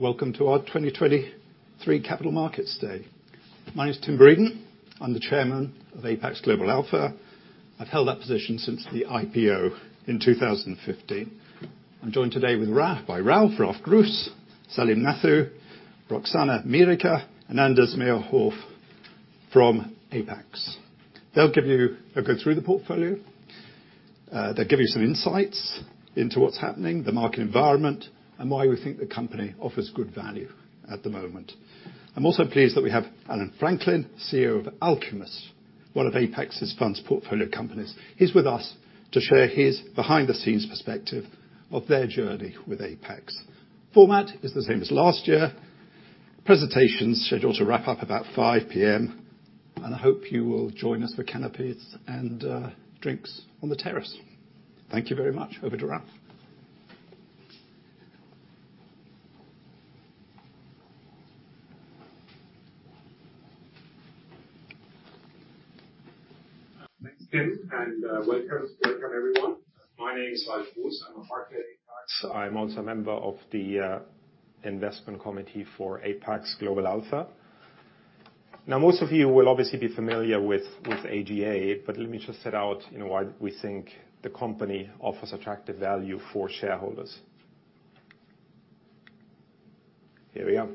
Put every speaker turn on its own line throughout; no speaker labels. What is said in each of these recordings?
Welcome to our 2023 Capital Markets Day. My name is Tim Breedon. I'm the chairman of Apax Global Alpha. I've held that position since the IPO in 2015. I'm joined today by Ralf Gruss, Salim Nathoo, Roxana Mirica, and Anders Meyerhoff from Apax. They'll give you a go through the portfolio. They'll give you some insights into what's happening, the market environment, and why we think the company offers good value at the moment. I'm also pleased that we have Alyn Franklin, CEO of Alcumus, one of Apax's funds portfolio companies. He's with us to share his behind-the-scenes perspective of their journey with Apax. Format is the same as last year. Presentation is scheduled to wrap up about 5:00 P.M. I hope you will join us for canapés and drinks on the terrace. Thank you very much. Over to Ralf.
Thanks, Tim. Welcome everyone. My name is Ralf Gruss. I'm a partner at Apax. I'm also a member of the investment committee for Apax Global Alpha. Most of you will obviously be familiar with AGA. Let me just set out, you know, why we think the company offers attractive value for shareholders. Here we are.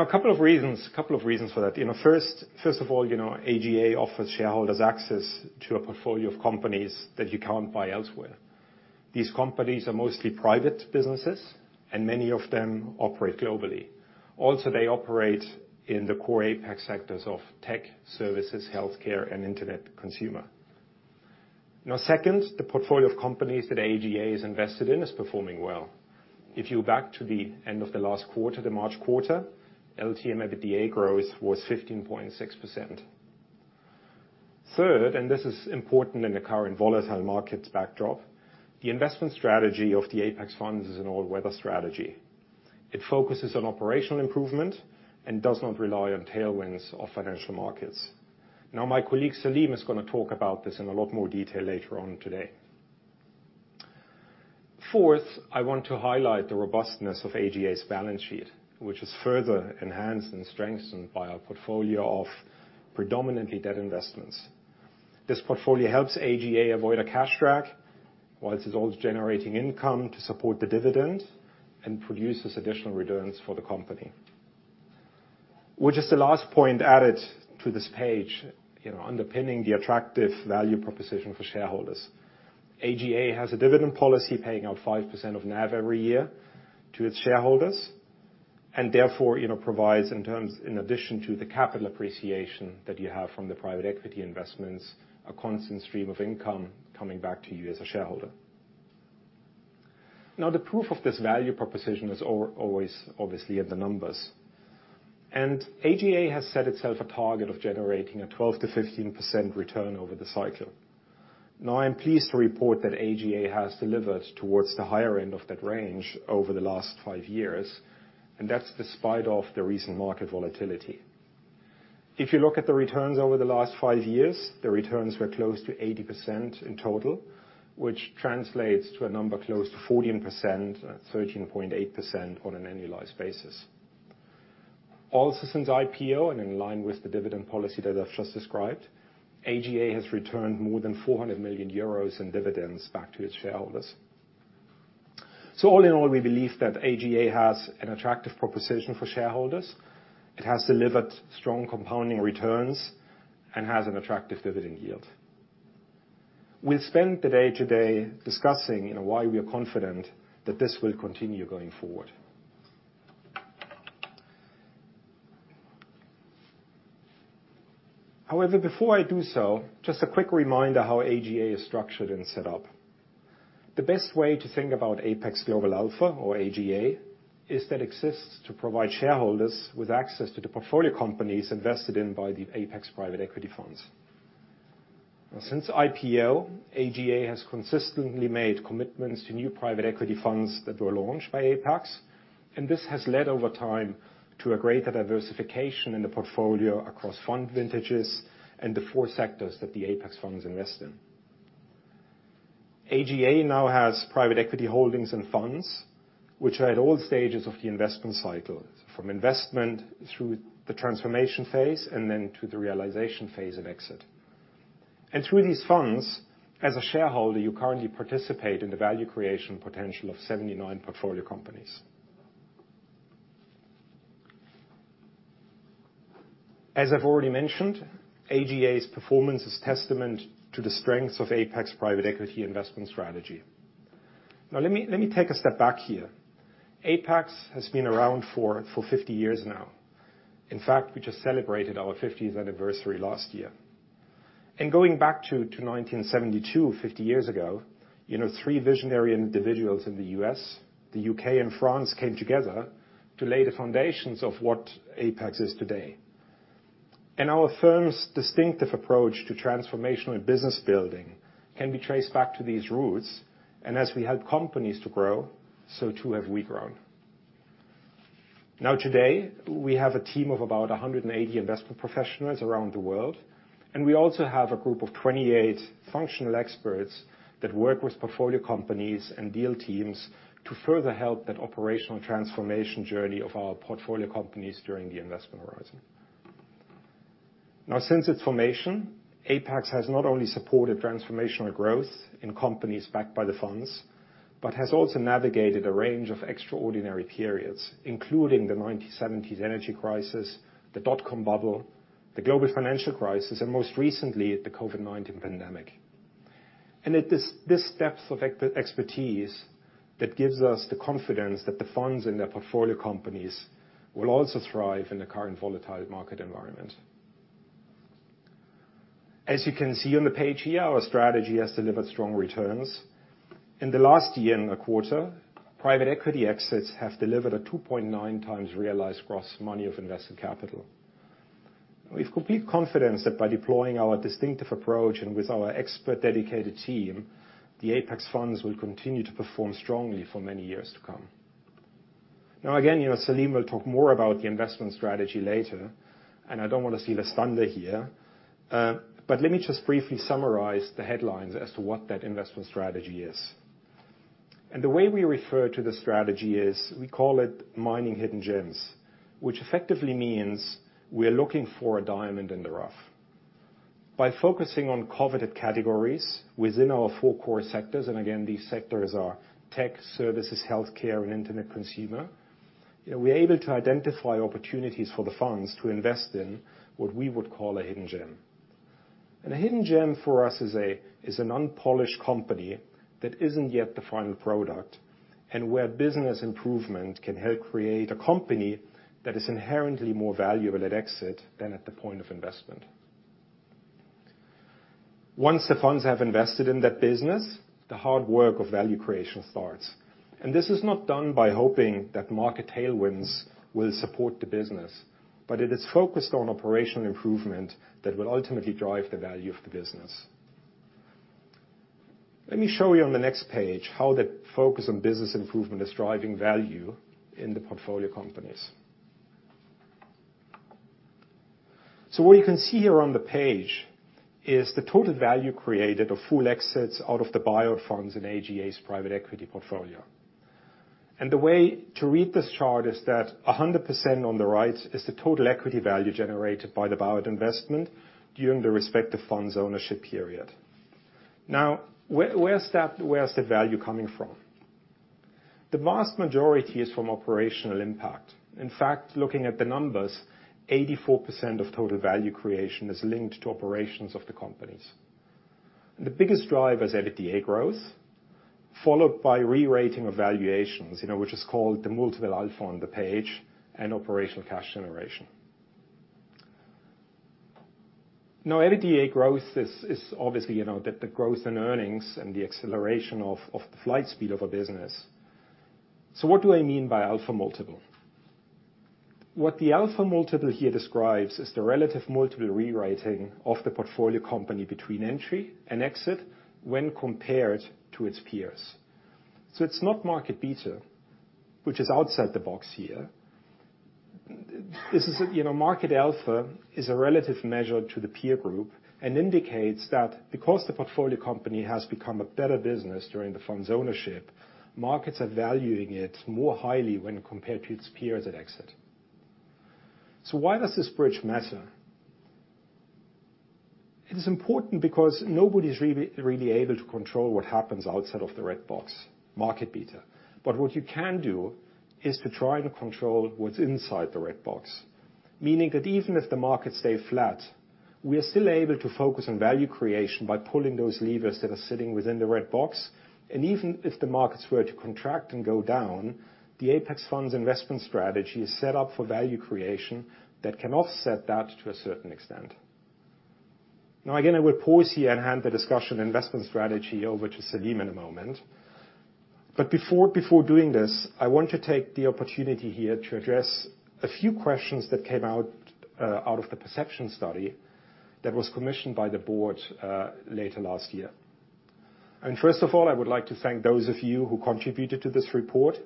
A couple of reasons for that. You know, first of all, you know, AGA offers shareholders access to a portfolio of companies that you can't buy elsewhere. These companies are mostly private businesses. Many of them operate globally. They operate in the core Apax sectors of tech, services, healthcare, and internet consumer. Second, the portfolio of companies that AGA is invested in is performing well. If you're back to the end of the last quarter, the March quarter, LTM EBITDA growth was 15.6%. Third, this is important in the current volatile markets backdrop, the investment strategy of the Apax Funds is an all-weather strategy. It focuses on operational improvement and does not rely on tailwinds of financial markets. My colleague, Salim, is gonna talk about this in a lot more detail later on today. Fourth, I want to highlight the robustness of AGA's balance sheet, which is further enhanced and strengthened by our portfolio of predominantly debt investments. This portfolio helps AGA avoid a cash drag, while it's always generating income to support the dividend and produces additional returns for the company. Which is the last point added to this page, you know, underpinning the attractive value proposition for shareholders. AGA has a dividend policy paying out 5% of NAV every year to its shareholders, and therefore, you know, provides in addition to the capital appreciation that you have from the private equity investments, a constant stream of income coming back to you as a shareholder. Now, the proof of this value proposition is always obviously in the numbers. AGA has set itself a target of generating a 12%-15% return over the cycle. Now, I'm pleased to report that AGA has delivered towards the higher end of that range over the last five years, and that's despite of the recent market volatility. If you look at the returns over the last five years, the returns were close to 80% in total, which translates to a number close to 14%, 13.8% on an annualized basis. Since IPO and in line with the dividend policy that I've just described, AGA has returned more than 400 million euros in dividends back to its shareholders. All in all, we believe that AGA has an attractive proposition for shareholders. It has delivered strong compounding returns and has an attractive dividend yield. We'll spend the day today discussing, you know, why we are confident that this will continue going forward. Before I do so, just a quick reminder how AGA is structured and set up. The best way to think about Apax Global Alpha or AGA, is that it exists to provide shareholders with access to the portfolio companies invested in by the Apax private equity funds. Since IPO, AGA has consistently made commitments to new private equity funds that were launched by Apax, and this has led over time to a greater diversification in the portfolio across fund vintages and the four sectors that the Apax funds invest in. AGA now has private equity holdings and funds, which are at all stages of the investment cycle, from investment through the transformation phase and then to the realization phase and exit. Through these funds, as a shareholder, you currently participate in the value creation potential of 79 portfolio companies. As I've already mentioned, AGA's performance is testament to the strength of Apax private equity investment strategy. Let me take a step back here. Apax has been around for 50 years now. In fact, we just celebrated our 50th anniversary last year. Going back to 1972, 50 years ago, you know, three visionary individuals in the U.S., the U.K. and France, came together to lay the foundations of what Apax is today. Our firm's distinctive approach to transformational business building can be traced back to these roots, and as we help companies to grow, so too, have we grown. Today, we have a team of about 180 investment professionals around the world, and we also have a group of 28 functional experts that work with portfolio companies and deal teams to further help that operational transformation journey of our portfolio companies during the investment horizon. Since its formation, Apax has not only supported transformational growth in companies backed by the funds, but has also navigated a range of extraordinary periods, including the 1970s energy crisis, the dotcom bubble, the global financial crisis, and most recently, the COVID-19 pandemic. It is this depth of expertise that gives us the confidence that the funds and their portfolio companies will also thrive in the current volatile market environment. As you can see on the page here, our strategy has delivered strong returns. In the last year and a quarter, private equity exits have delivered a 2.9x realized gross money of invested capital. We have complete confidence that by deploying our distinctive approach and with our expert dedicated team, the Apax funds will continue to perform strongly for many years to come. Again, you know, Salim will talk more about the investment strategy later, and I don't want to steal his thunder here, but let me just briefly summarize the headlines as to what that investment strategy is. The way we refer to the strategy is, we call it mining hidden gems, which effectively means we are looking for a diamond in the rough. By focusing on coveted categories within our four core sectors, and again, these sectors are tech, services, healthcare, and internet consumer, we are able to identify opportunities for the funds to invest in what we would call a hidden gem. A hidden gem for us is an unpolished company that isn't yet the final product, and where business improvement can help create a company that is inherently more valuable at exit than at the point of investment. Once the funds have invested in that business, the hard work of value creation starts, this is not done by hoping that market tailwinds will support the business, but it is focused on operational improvement that will ultimately drive the value of the business. Let me show you on the next page how the focus on business improvement is driving value in the portfolio companies. What you can see here on the page is the total value created of full exits out of the buyout funds in AGA's private equity portfolio. The way to read this chart is that 100% on the right is the total equity value generated by the buyout investment during the respective fund's ownership period. Where is the value coming from? The vast majority is from operational impact. In fact, looking at the numbers, 84% of total value creation is linked to operations of the companies. The biggest driver is EBITDA growth, followed by re-rating of valuations, you know, which is called the multiple alpha on the page, and operational cash generation. EBITDA growth is obviously, you know, the growth in earnings and the acceleration of the flight speed of a business. What do I mean by multiple alpha? What the multiple alpha here describes is the relative multiple rewriting of the portfolio company between entry and exit when compared to its peers. It's not market beta, which is outside the box here. You know, market alpha is a relative measure to the peer group and indicates that because the portfolio company has become a better business during the fund's ownership, markets are valuing it more highly when compared to its peers at exit. Why does this bridge matter? It is important because nobody's really able to control what happens outside of the red box, market beta. What you can do is to try and control what's inside the red box, meaning that even if the markets stay flat, we are still able to focus on value creation by pulling those levers that are sitting within the red box. Even if the markets were to contract and go down, the Apax Funds investment strategy is set up for value creation that can offset that to a certain extent. Again, I will pause here and hand the discussion on investment strategy over to Salim in a moment, but before doing this, I want to take the opportunity here to address a few questions that came out of the perception study that was commissioned by the board later last year. First of all, I would like to thank those of you who contributed to this report,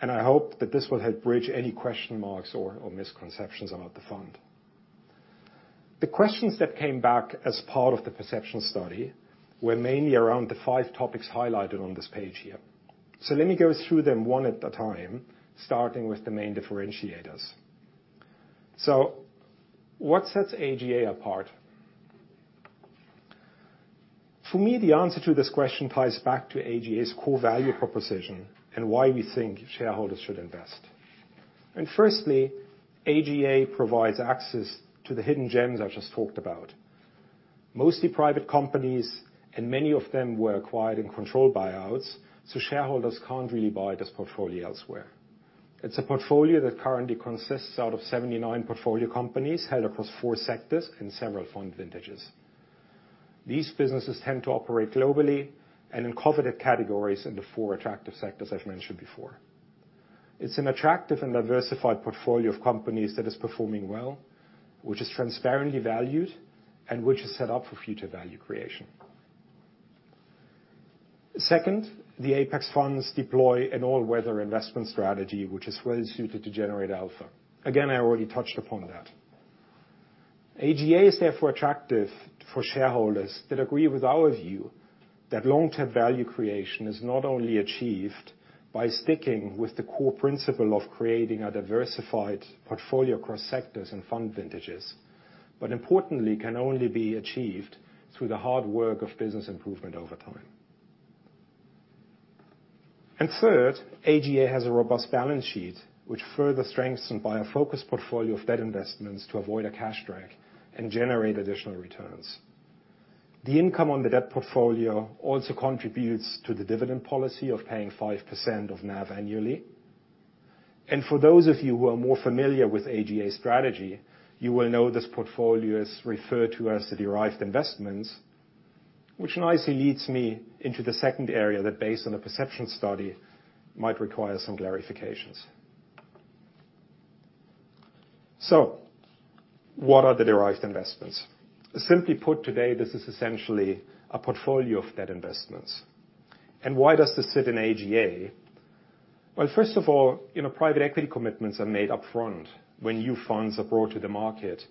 and I hope that this will help bridge any question marks or misconceptions about the fund. The questions that came back as part of the perception study were mainly around the five topics highlighted on this page here. Let me go through them one at a time, starting with the main differentiators. What sets AGA apart? For me, the answer to this question ties back to AGA's core value proposition and why we think shareholders should invest. Firstly, AGA provides access to the hidden gems I just talked about. Mostly private companies, and many of them were acquired in control buyouts, shareholders can't really buy this portfolio elsewhere. It's a portfolio that currently consists out of 79 portfolio companies held across four sectors and several fund vintages. These businesses tend to operate globally and in coveted categories in the four attractive sectors, as mentioned before. It's an attractive and diversified portfolio of companies that is performing well, which is transparently valued, and which is set up for future value creation. Second, the Apax funds deploy an all-weather investment strategy, which is well-suited to generate alpha. Again, I already touched upon that. AGA is therefore attractive for shareholders that agree with our view that long-term value creation is not only achieved by sticking with the core principle of creating a diversified portfolio across sectors and fund vintages, but importantly, can only be achieved through the hard work of business improvement over time. Third, AGA has a robust balance sheet, which further strengthened by a focused portfolio of debt investments to avoid a cash drag and generate additional returns. The income on the debt portfolio also contributes to the dividend policy of paying 5% of NAV annually. For those of you who are more familiar with AGA strategy, you will know this portfolio is referred to as the derived investments, which nicely leads me into the second area that, based on the perception study, might require some clarifications. What are the derived investments? Simply put, today, this is essentially a portfolio of debt investments. Why does this sit in AGA? Well, first of all, you know, private equity commitments are made upfront when new funds are brought to the market,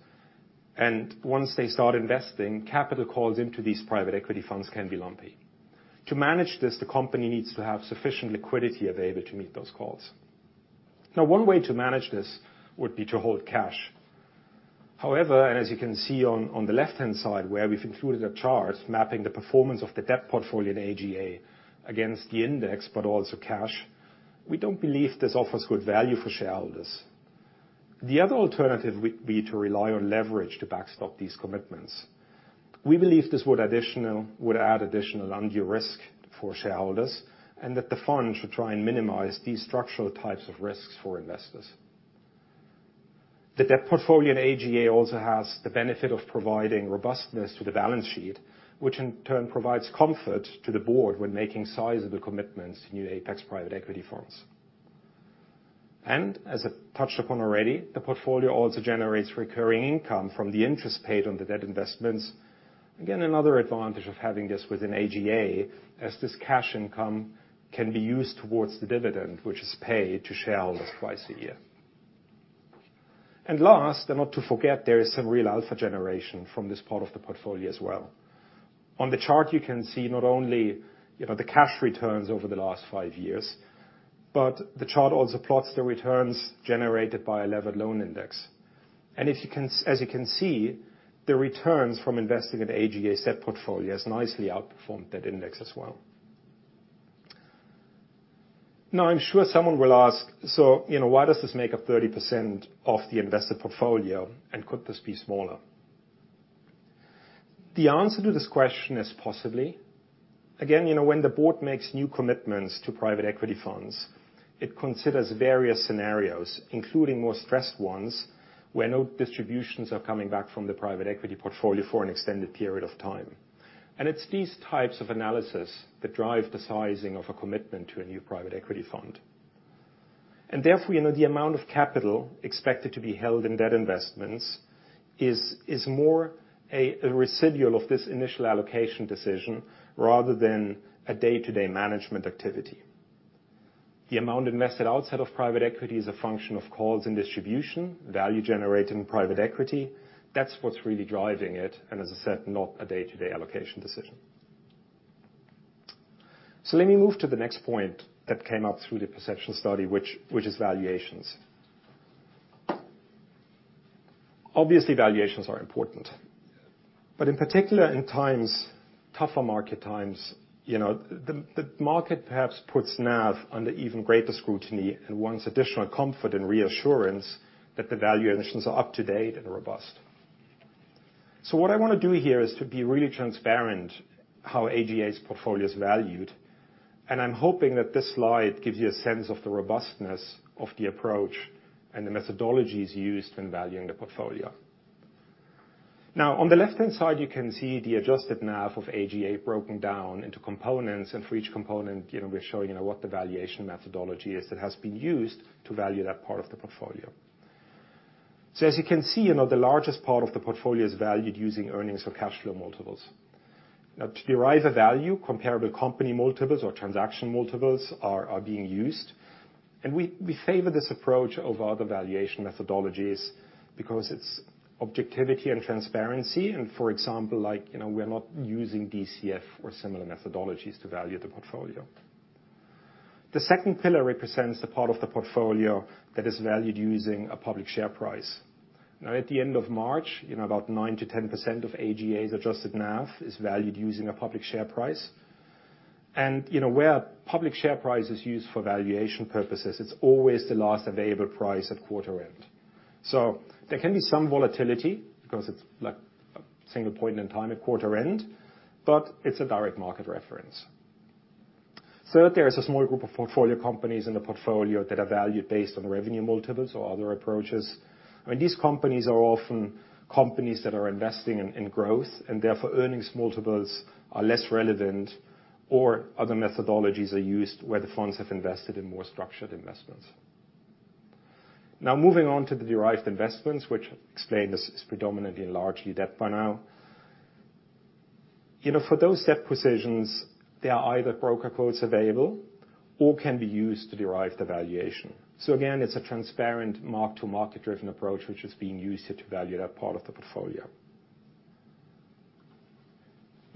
and once they start investing, capital calls into these private equity funds can be lumpy. To manage this, the company needs to have sufficient liquidity available to meet those calls. Now, one way to manage this would be to hold cash. However, and as you can see on the left-hand side, where we've included a chart mapping the performance of the debt portfolio in AGA against the index, but also cash, we don't believe this offers good value for shareholders. The other alternative would be to rely on leverage to backstop these commitments. We believe this would add additional undue risk for shareholders. The fund should try and minimize these structural types of risks for investors. The debt portfolio in AGA also has the benefit of providing robustness to the balance sheet, which in turn provides comfort to the board when making sizable commitments in new Apax private equity funds. As I touched upon already, the portfolio also generates recurring income from the interest paid on the debt investments. Again, another advantage of having this within AGA, as this cash income can be used towards the dividend, which is paid to shareholders twice a year. Last, and not to forget, there is some real alpha generation from this part of the portfolio as well. On the chart, you can see not only, you know, the cash returns over the last five years, but the chart also plots the returns generated by a levered loan index. As you can see, the returns from investing in AGA's debt portfolio has nicely outperformed that index as well. I'm sure someone will ask, "So, you know, why does this make up 30% of the invested portfolio, and could this be smaller?" The answer to this question is, possibly. You know, when the board makes new commitments to private equity funds, it considers various scenarios, including more stressed ones, where no distributions are coming back from the private equity portfolio for an extended period of time. It's these types of analysis that drive the sizing of a commitment to a new private equity fund. Therefore, you know, the amount of capital expected to be held in debt investments is more a residual of this initial allocation decision, rather than a day-to-day management activity. The amount invested outside of private equity is a function of calls and distribution, value generated in private equity. That's what's really driving it, and as I said, not a day-to-day allocation decision. Let me move to the next point that came up through the perception study, which is valuations. Obviously, valuations are important, but in particular, in times, tougher market times, you know, the market perhaps puts NAV under even greater scrutiny and wants additional comfort and reassurance that the valuations are up-to-date and robust. What I want to do here is to be really transparent how AGA's portfolio is valued, and I'm hoping that this slide gives you a sense of the robustness of the approach and the methodologies used in valuing the portfolio. On the left-hand side, you can see the adjusted NAV of AGA broken down into components, and for each component, you know, we're showing, you know, what the valuation methodology is that has been used to value that part of the portfolio. As you can see, you know, the largest part of the portfolio is valued using earnings or cash flow multiples. Now, to derive a value, comparable company multiples or transaction multiples are being used, and we favor this approach over other valuation methodologies because its objectivity and transparency, and for example, like, you know, we're not using DCF or similar methodologies to value the portfolio. The second pillar represents the part of the portfolio that is valued using a public share price. Now, at the end of March, you know, about 9%-10% of AGA's adjusted NAV is valued using a public share price. You know, where a public share price is used for valuation purposes, it's always the last available price at quarter end. There can be some volatility because it's like a single point in time at quarter end, but it's a direct market reference. Third, there is a small group of portfolio companies in the portfolio that are valued based on revenue multiples or other approaches. I mean, these companies are often companies that are investing in growth, and therefore, earnings multiples are less relevant or other methodologies are used where the funds have invested in more structured investments. Moving on to the derived investments, which I explained is predominantly and largely debt by now. You know, for those debt positions, there are either broker quotes available or can be used to derive the valuation. Again, it's a transparent mark-to-market driven approach, which is being used here to value that part of the portfolio.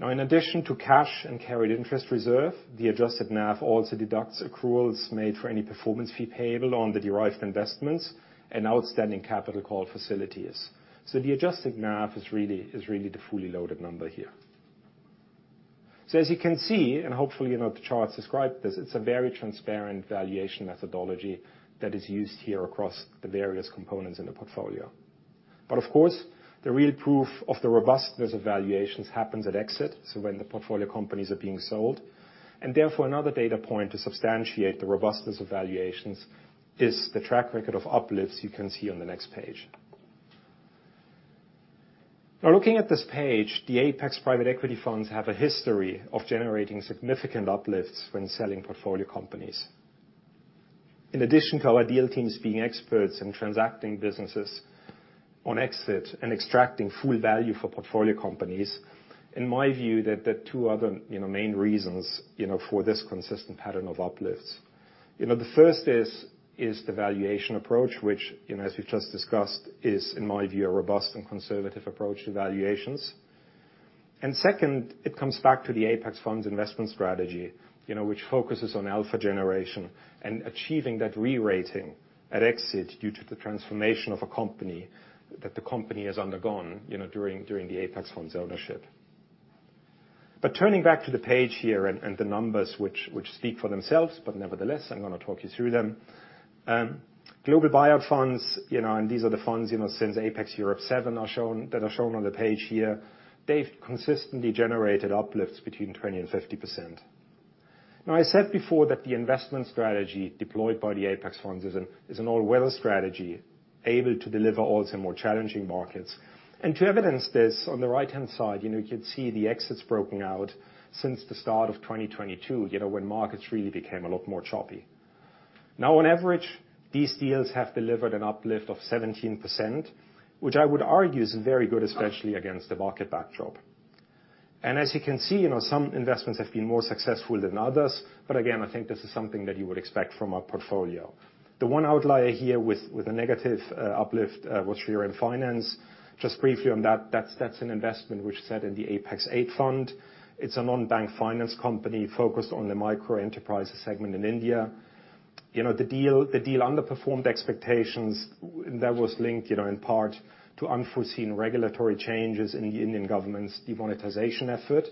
In addition to cash and carried interest reserve, the adjusted NAV also deducts accruals made for any performance fee payable on the derived investments and outstanding capital call facilities. The adjusted NAV is really the fully loaded number here. As you can see, and hopefully, you know, the charts describe this, it's a very transparent valuation methodology that is used here across the various components in the portfolio. Of course, the real proof of the robustness of valuations happens at exit, so when the portfolio companies are being sold. Therefore, another data point to substantiate the robustness of valuations is the track record of uplifts you can see on the next page. Looking at this page, the Apax Private Equity Funds have a history of generating significant uplifts when selling portfolio companies. In addition to our deal teams being experts in transacting businesses on exit and extracting full value for portfolio companies, in my view, there are two other, you know, main reasons, you know, for this consistent pattern of uplifts. You know, the first is the valuation approach, which, you know, as we've just discussed, is, in my view, a robust and conservative approach to valuations. Second, it comes back to the Apax Funds investment strategy, you know, which focuses on alpha generation and achieving that re-rating at exit due to the transformation of a company, that the company has undergone, you know, during the Apax Funds ownership. Turning back to the page here and the numbers which speak for themselves, but nevertheless, I'm going to talk you through them. Global buyout funds, you know, these are the funds, you know, since Apax Europe VII that are shown on the page here, they've consistently generated uplifts between 20% and 50%. I said before that the investment strategy deployed by the Apax Funds is an all-weather strategy, able to deliver also in more challenging markets. To evidence this, on the right-hand side, you know, you can see the exits broken out since the start of 2022, you know, when markets really became a lot more choppy. On average, these deals have delivered an uplift of 17%, which I would argue is very good, especially against the market backdrop. As you can see, you know, some investments have been more successful than others, but again, I think this is something that you would expect from a portfolio. The one outlier here with a negative uplift was Shriram Finance. Just briefly on that's an investment which sat in the Apax VIII Fund. It's a non-bank finance company focused on the micro-enterprise segment in India. You know, the deal underperformed expectations, and that was linked, you know, in part to unforeseen regulatory changes in the Indian government's demonetization effort,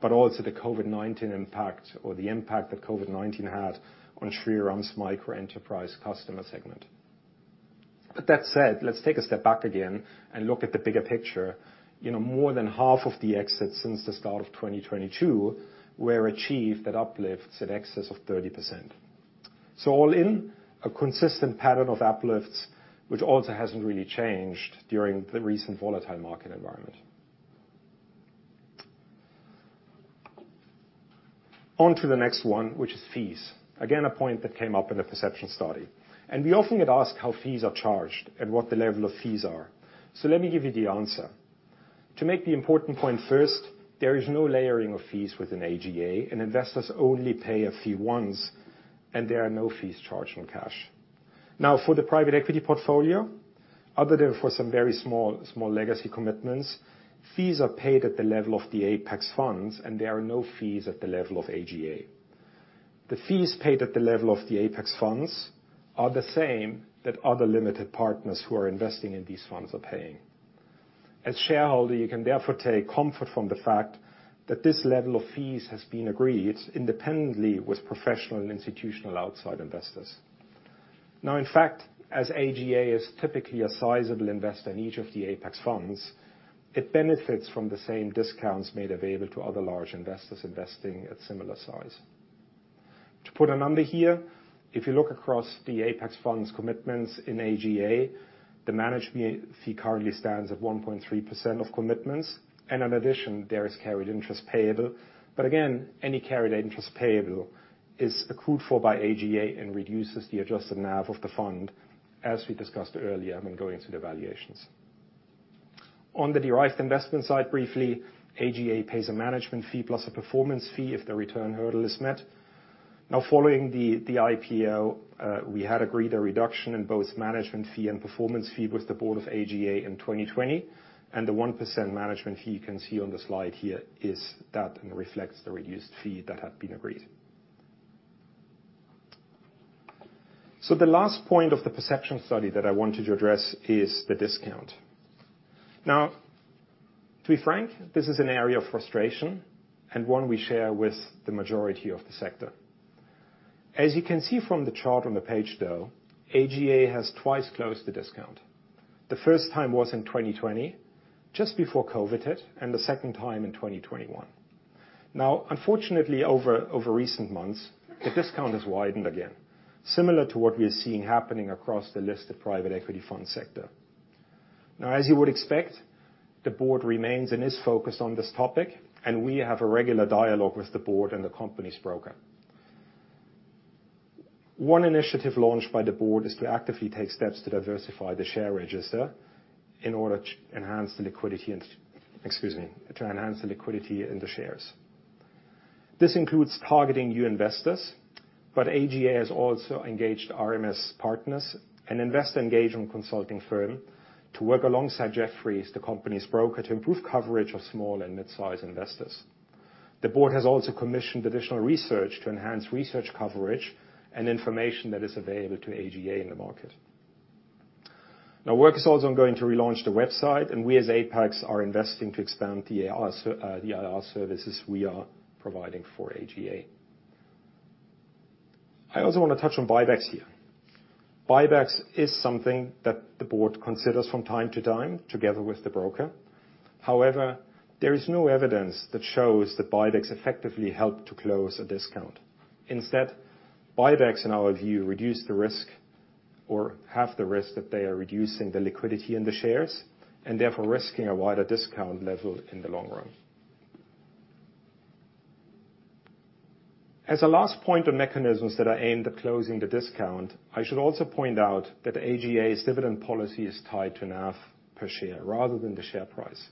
but also the COVID-19 impact or the impact that COVID-19 had on Shriram Finance's micro-enterprise customer segment. That said, let's take a step back again and look at the bigger picture. You know, more than half of the exits since the start of 2022 were achieved at uplifts in excess of 30%. All in, a consistent pattern of uplifts, which also hasn't really changed during the recent volatile market environment. On to the next one, which is fees. Again, a point that came up in the perception study. We often get asked how fees are charged and what the level of fees are. Let me give you the answer. To make the important point first, there is no layering of fees within AGA, and investors only pay a fee once, and there are no fees charged on cash. For the private equity portfolio, other than for some very small legacy commitments, fees are paid at the level of the Apax Funds, and there are no fees at the level of AGA. The fees paid at the level of the Apax Funds are the same that other limited partners who are investing in these funds are paying. As shareholder, you can therefore take comfort from the fact that this level of fees has been agreed independently with professional and institutional outside investors. In fact, as AGA is typically a sizable investor in each of the Apax Funds, it benefits from the same discounts made available to other large investors investing at similar size. To put a number here, if you look across the Apax Funds commitments in AGA, the management fee currently stands at 1.3% of commitments, and in addition, there is carried interest payable. Again, any carried interest payable is accrued for by AGA and reduces the adjusted NAV of the fund, as we discussed earlier when going through the valuations. On the derived investment side, briefly, AGA pays a management fee plus a performance fee if the return hurdle is met. Following the IPO, we had agreed a reduction in both management fee and performance fee with the board of AGA in 2020, and the 1% management fee you can see on the slide here is that and reflects the reduced fee that had been agreed. The last point of the perception study that I wanted to address is the discount. To be frank, this is an area of frustration and one we share with the majority of the sector. As you can see from the chart on the page, though, AGA has twice closed the discount. The first time was in 2020, just before COVID hit, and the second time in 2021. Unfortunately, over recent months, the discount has widened again, similar to what we are seeing happening across the listed private equity fund sector. As you would expect, the board remains and is focused on this topic, and we have a regular dialogue with the board and the company's broker. One initiative launched by the board is to actively take steps to diversify the share register in order to enhance the liquidity and, excuse me, to enhance the liquidity in the shares. This includes targeting new investors, but AGA has also engaged RMS Partners, an investor engagement consulting firm, to work alongside Jefferies, the company's broker, to improve coverage of small and mid-size investors. The board has also commissioned additional research to enhance research coverage and information that is available to AGA in the market. Work is also ongoing to relaunch the website, and we, as Apax, are investing to expand the IR, the IR services we are providing for AGA. I also want to touch on buybacks here. Buybacks is something that the board considers from time to time together with the broker. However, there is no evidence that shows that buybacks effectively help to close a discount. Instead, buybacks, in our view, reduce the risk or half the risk that they are reducing the liquidity in the shares, and therefore risking a wider discount level in the long run. As a last point on mechanisms that are aimed at closing the discount, I should also point out that AGA's dividend policy is tied to NAV per share rather than the share price.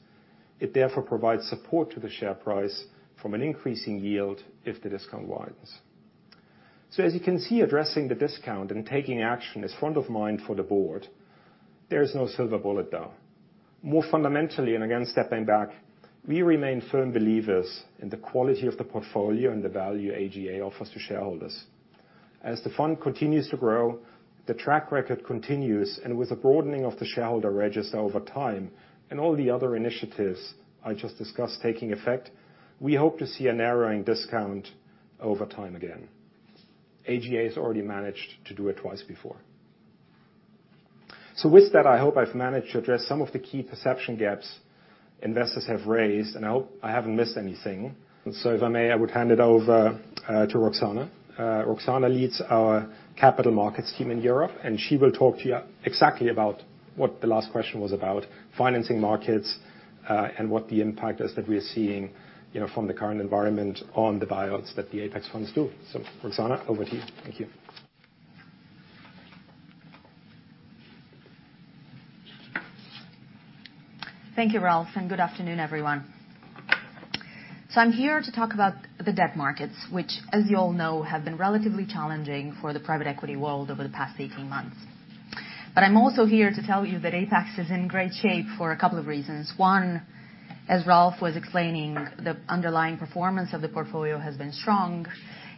It therefore provides support to the share price from an increasing yield if the discount widens. As you can see, addressing the discount and taking action is front of mind for the board. There is no silver bullet, though. More fundamentally, again, stepping back, we remain firm believers in the quality of the portfolio and the value AGA offers to shareholders. As the fund continues to grow, the track record continues, and with the broadening of the shareholder register over time and all the other initiatives I just discussed taking effect, we hope to see a narrowing discount over time again. AGA has already managed to do it twice before. With that, I hope I've managed to address some of the key perception gaps investors have raised, and I hope I haven't missed anything. If I may, I would hand it over to Roxana. Roxana leads our capital markets team in Europe. She will talk to you exactly about what the last question was about, financing markets, and what the impact is that we are seeing, you know, from the current environment on the buyouts that the Apax funds do. Roxana, over to you. Thank you.
Thank you, Ralf, and good afternoon, everyone. I'm here to talk about the debt markets, which, as you all know, have been relatively challenging for the private equity world over the past 18 months. I'm also here to tell you that Apax is in great shape for a couple of reasons. One, as Ralf was explaining, the underlying performance of the portfolio has been strong,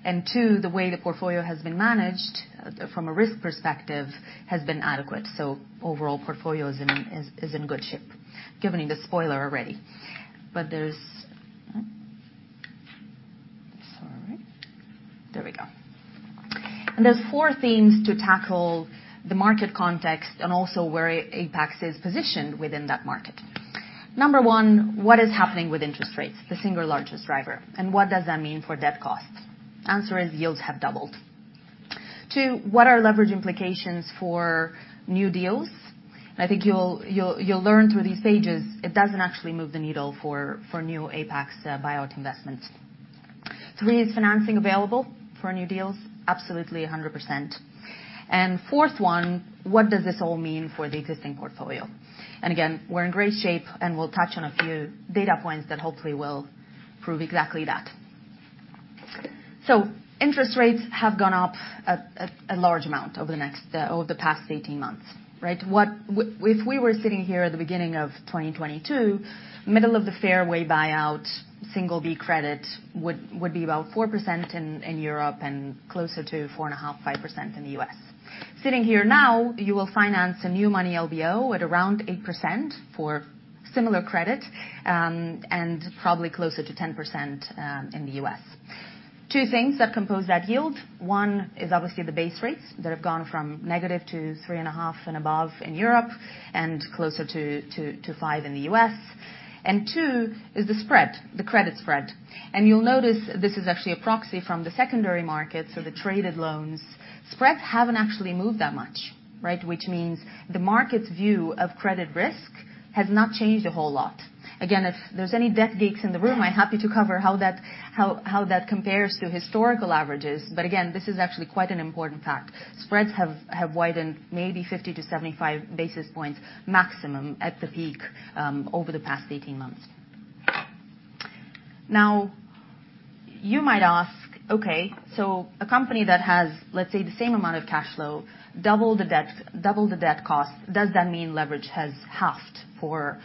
and two, the way the portfolio has been managed from a risk perspective, has been adequate. Overall, portfolio is in good shape, giving you the spoiler already. There's four themes to tackle the market context and also where Apax is positioned within that market. Number one, what is happening with interest rates, the single largest driver, and what does that mean for debt costs? Answer is yields have doubled. Two, what are leverage implications for new deals? I think you'll learn through these stages, it doesn't actually move the needle for new Apax buyout investments. Three, is financing available for new deals? Absolutely, 100%. Fourth one, what does this all mean for the existing portfolio? Again, we're in great shape, and we'll touch on a few data points that hopefully will prove exactly that. Interest rates have gone up a large amount over the past 18 months, right? What if we were sitting here at the beginning of 2022, middle of the fairway buyout, single-B credit would be about 4% in Europe and closer to four and a half, 5% in the U.S.. Sitting here now, you will finance a new money LBO at around 8% for similar credit, and probably closer to 10% in the U.S.. Two things that compose that yield. One is obviously the base rates that have gone from negative to 3.5 and above in Europe, and closer to five in the U.S.. Two is the spread, the credit spread. You'll notice this is actually a proxy from the secondary market, so the traded loans. Spreads haven't actually moved that much, right? Which means the market's view of credit risk has not changed a whole lot. Again, if there's any debt geeks in the room, I'm happy to cover how that compares to historical averages. Again, this is actually quite an important fact. Spreads have widened maybe 50-75 basis points maximum at the peak over the past 18 months. You might ask, "Okay, a company that has, let's say, the same amount of cash flow, double the debt, double the debt cost, does that mean leverage has halved for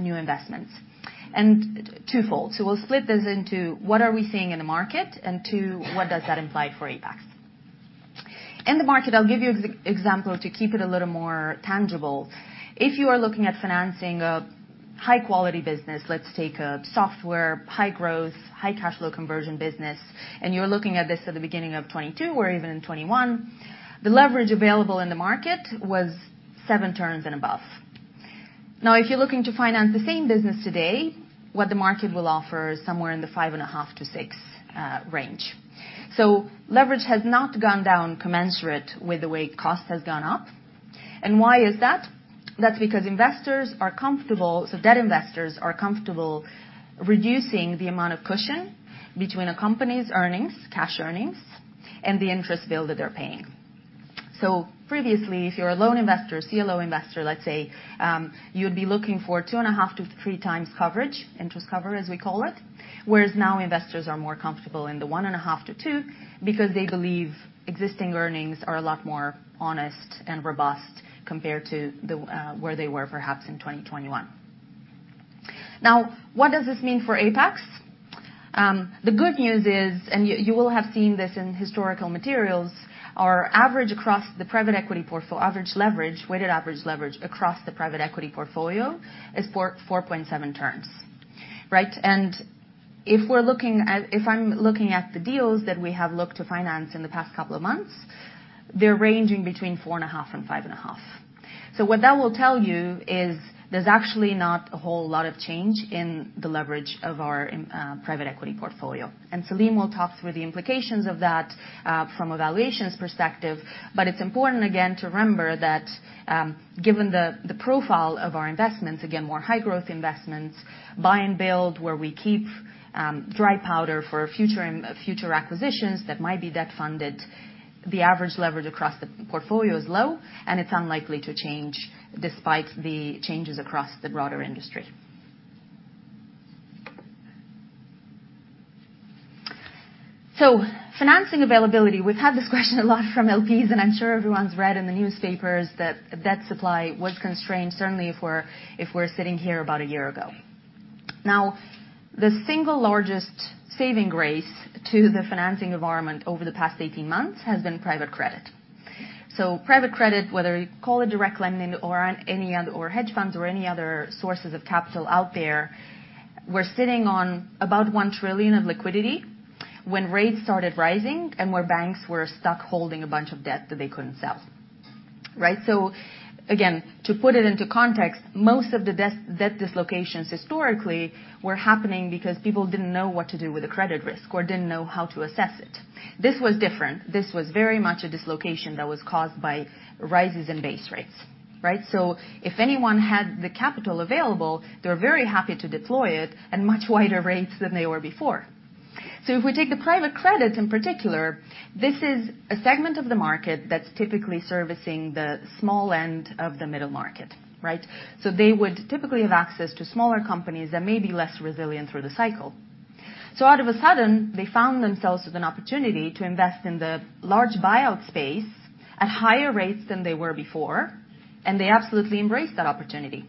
new investments?" Twofold. We'll split this into what are we seeing in the market, and two, what does that imply for Apax? In the market, I'll give you example to keep it a little more tangible. If you are looking at financing a high-quality business, let's take a software, high growth, high cash flow conversion business, and you're looking at this at the beginning of 2022 or even in 2021, the leverage available in the market was seven turns and above. Now, if you're looking to finance the same business today, what the market will offer is somewhere in the 5.5%-6% range. Leverage has not gone down commensurate with the way cost has gone up. Why is that? That's because so debt investors are comfortable reducing the amount of cushion between a company's earnings, cash earnings, and the interest bill that they're paying. Previously, if you're a loan investor, CLO investor, let's say, you'd be looking for 2.5-3x coverage, interest cover, as we call it, whereas now investors are more comfortable in the 1.5-2, because they believe existing earnings are a lot more honest and robust compared to the where they were perhaps in 2021. Now, what does this mean for Apax? The good news is, you will have seen this in historical materials, our weighted average leverage across the private equity portfolio is 4.7 turns, right? If I'm looking at the deals that we have looked to finance in the past couple of months, they're ranging between 4.5 and 5.5. What that will tell you is there's actually not a whole lot of change in the leverage of our private equity portfolio. Salim will talk through the implications of that from a valuations perspective. It's important, again, to remember that, given the profile of our investments, again, more high growth investments, buy and build, where we keep dry powder for future acquisitions that might be debt funded, the average leverage across the portfolio is low, and it's unlikely to change despite the changes across the broader industry. Financing availability, we've had this question a lot from LPs, and I'm sure everyone's read in the newspapers that debt supply was constrained, certainly if we're, if we're sitting here about a year ago. The single largest saving grace to the financing environment over the past 18 months has been private credit. Private credit, whether you call it direct lending or hedge funds or any other sources of capital out there, we're sitting on about $1 trillion of liquidity when rates started rising and where banks were stuck holding a bunch of debt that they couldn't sell, right? Again, to put it into context, most of the debt dislocations historically were happening because people didn't know what to do with the credit risk or didn't know how to assess it. This was different. This was very much a dislocation that was caused by rises in base rates, right? If anyone had the capital available, they were very happy to deploy it at much wider rates than they were before. If we take the private credit, in particular, this is a segment of the market that's typically servicing the small end of the middle market, right? They would typically have access to smaller companies that may be less resilient through the cycle. All of a sudden, they found themselves with an opportunity to invest in the large buyout space at higher rates than they were before, and they absolutely embraced that opportunity.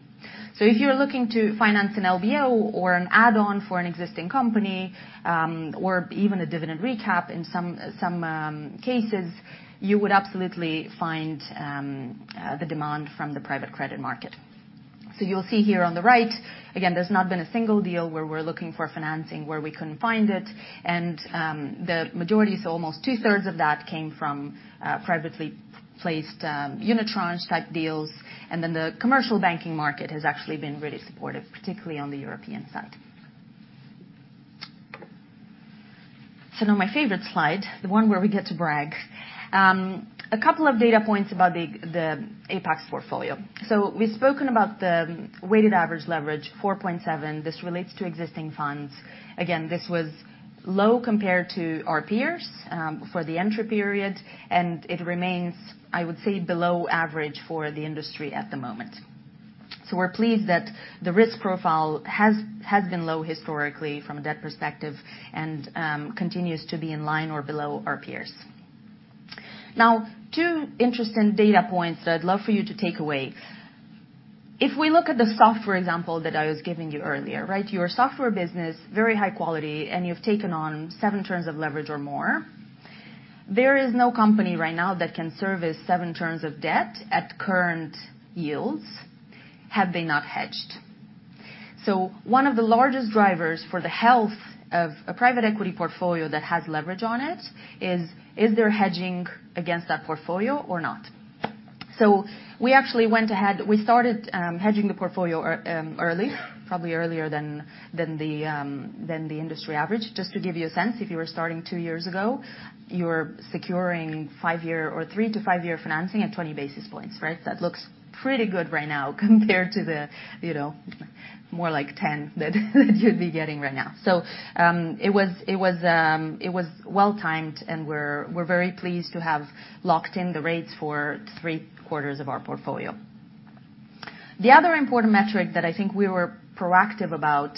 If you're looking to finance an LBO or an add-on for an existing company, or even a dividend recap in some cases, you would absolutely find the demand from the private credit market. You'll see here on the right, again, there's not been a single deal where we're looking for financing, where we couldn't find it. The majority, so almost two-thirds of that, came from privately placed unitranche type deals. The commercial banking market has actually been really supportive, particularly on the European side. Now my favorite slide, the one where we get to brag. A couple of data points about the Apax portfolio. We've spoken about the weighted average leverage, 4.7. This relates to existing funds. Again, this was low compared to our peers for the entry period, and it remains, I would say, below average for the industry at the moment. We're pleased that the risk profile has been low historically from a debt perspective and continues to be in line or below our peers. Now, two interesting data points that I'd love for you to take away. If we look at the software example that I was giving you earlier, right? Your software business, very high quality, and you've taken on seven turns of leverage or more. There is no company right now that can service seven turns of debt at current yields, had they not hedged. One of the largest drivers for the health of a private equity portfolio that has leverage on it is there hedging against that portfolio or not? We actually went ahead. We started hedging the portfolio early, probably earlier than the industry average. Just to give you a sense, if you were starting two years ago, you were securing five-year or three-five-year financing at 20 basis points, right? That looks pretty good right now compared to the, you know, more like 10 that, you'd be getting right now. It was well-timed, and we're very pleased to have locked in the rates for three quarters of our portfolio. The other important metric that I think we were proactive about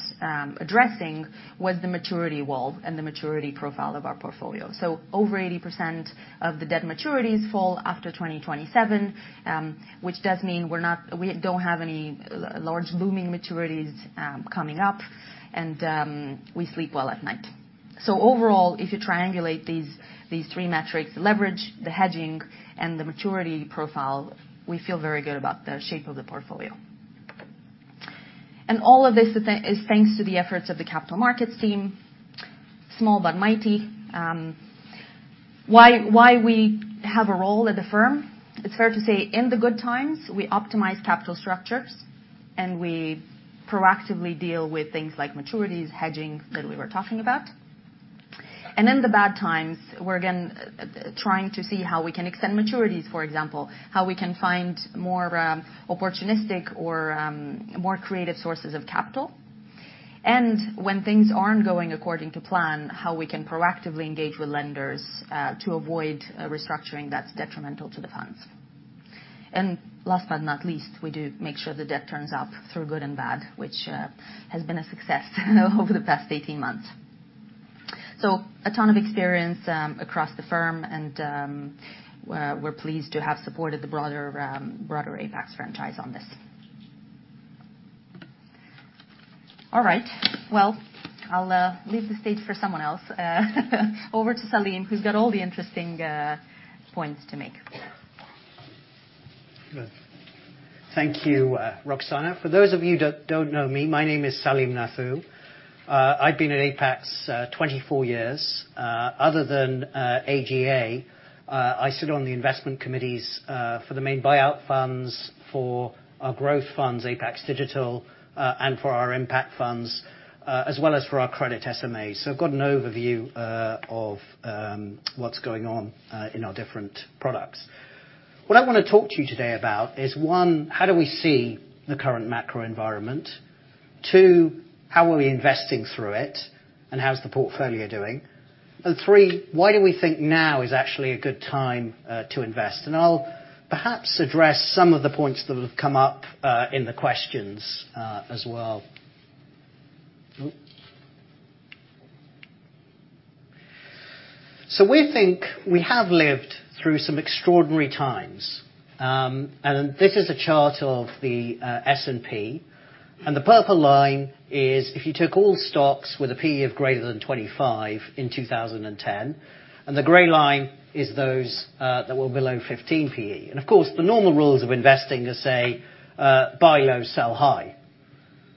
addressing was the maturity wall and the maturity profile of our portfolio. Over 80% of the debt maturities fall after 2027, which does mean we don't have any large looming maturities coming up, and we sleep well at night. Overall, if you triangulate these three metrics, the leverage, the hedging, and the maturity profile, we feel very good about the shape of the portfolio. All of this is thanks to the efforts of the capital markets team. Small but mighty. Why we have a role at the firm? It's fair to say, in the good times, we optimize capital structures, and we proactively deal with things like maturities, hedging, that we were talking about. In the bad times, we're again, trying to see how we can extend maturities, for example, how we can find more, opportunistic or, more creative sources of capital. When things aren't going according to plan, how we can proactively engage with lenders, to avoid a restructuring that's detrimental to the funds. Last but not least, we do make sure the debt turns up through good and bad, which, has been a success, over the past 18 months. A ton of experience, across the firm, and, we're pleased to have supported the broader Apax franchise on this. All right. I'll leave the stage for someone else. Over to Salim, who's got all the interesting points to make.
Good. Thank you, Roxana. For those of you who don't know me, my name is Salim Nathoo. I've been at Apax 24 years. Other than AGA, I sit on the investment committees for the main buyout funds, for our growth funds, Apax Digital, and for our impact funds, as well as for our credit SMAs. I've got an overview of what's going on in our different products. What I wanna talk to you today about is, one, how do we see the current macro environment? Two, how are we investing through it, and how's the portfolio doing? Three, why do we think now is actually a good time to invest? I'll perhaps address some of the points that have come up in the questions as well. Oops! We think we have lived through some extraordinary times. This is a chart of the S&P, and the purple line is if you took all stocks with a PE of greater than 25 in 2010, and the gray line is those that were below 15 PE. Of course, the normal rules of investing are, say, buy low, sell high.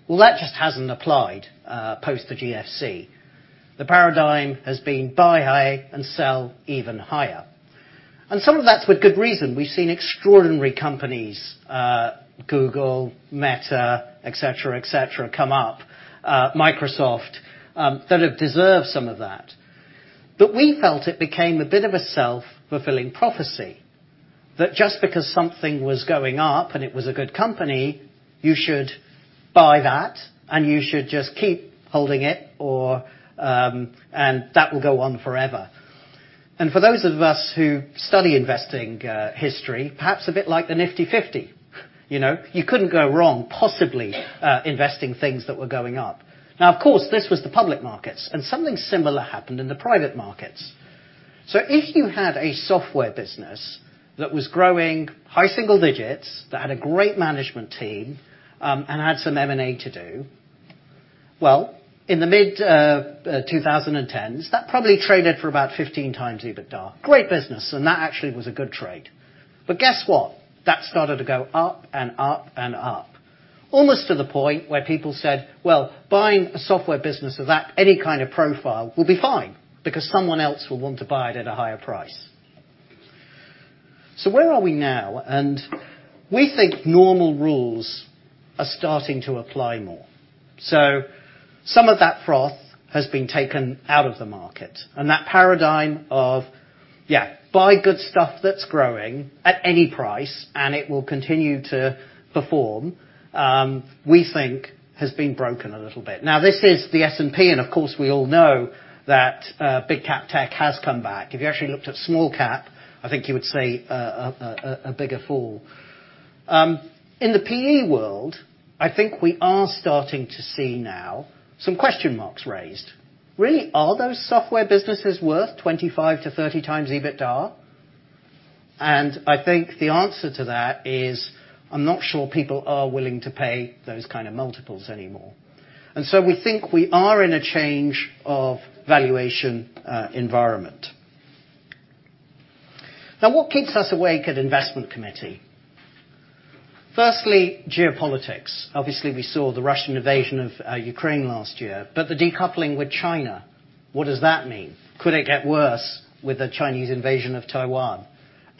That just hasn't applied post the GFC. The paradigm has been buy high and sell even higher. Some of that's with good reason. We've seen extraordinary companies, Google, Meta, et cetera, et cetera, come up, Microsoft, that have deserved some of that. We felt it became a bit of a self-fulfilling prophecy, that just because something was going up and it was a good company, you should buy that, and you should just keep holding it, or. That will go on forever. For those of us who study investing history, perhaps a bit like the Nifty Fifty. You know, you couldn't go wrong, possibly, investing things that were going up. Now, of course, this was the public markets, and something similar happened in the private markets. If you had a software business that was growing high single digits, that had a great management team, and had some M&A to do, well, in the mid two thousand and tens, that probably traded for about 15x EBITDA. Great business, and that actually was a good trade. Guess what? That started to go up and up and up, almost to the point where people said: Well, buying a software business of that, any kind of profile, will be fine because someone else will want to buy it at a higher price. Where are we now? We think normal rules are starting to apply more. Some of that froth has been taken out of the market, and that paradigm of, yeah, buy good stuff that's growing at any price, and it will continue to perform, we think has been broken a little bit. This is the S&P, and of course, we all know that big cap tech has come back. If you actually looked at small cap, I think you would see a bigger fall. In the PE world, I think we are starting to see now some question marks raised. Really, are those software businesses worth 25-30x EBITDA? I think the answer to that is, I'm not sure people are willing to pay those kind of multiples anymore. So we think we are in a change of valuation environment. Now, what keeps us awake at Investment Committee? Firstly, geopolitics. Obviously, we saw the Russian invasion of Ukraine last year, the decoupling with China, what does that mean? Could it get worse with the Chinese invasion of Taiwan?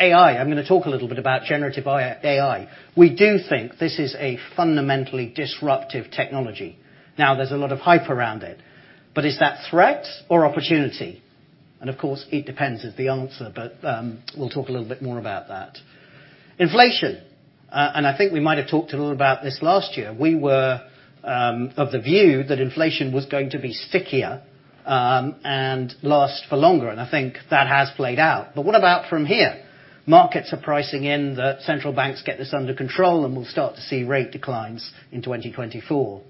AI, I'm gonna talk a little bit about generative AI. We do think this is a fundamentally disruptive technology. Now, there's a lot of hype around it, is that threat or opportunity? Of course, it depends is the answer, but we'll talk a little bit more about that. Inflation, I think we might have talked a little about this last year. We were of the view that inflation was going to be stickier and last for longer, and I think that has played out. What about from here? Markets are pricing in the central banks get this under control, and we'll start to see rate declines in 2024,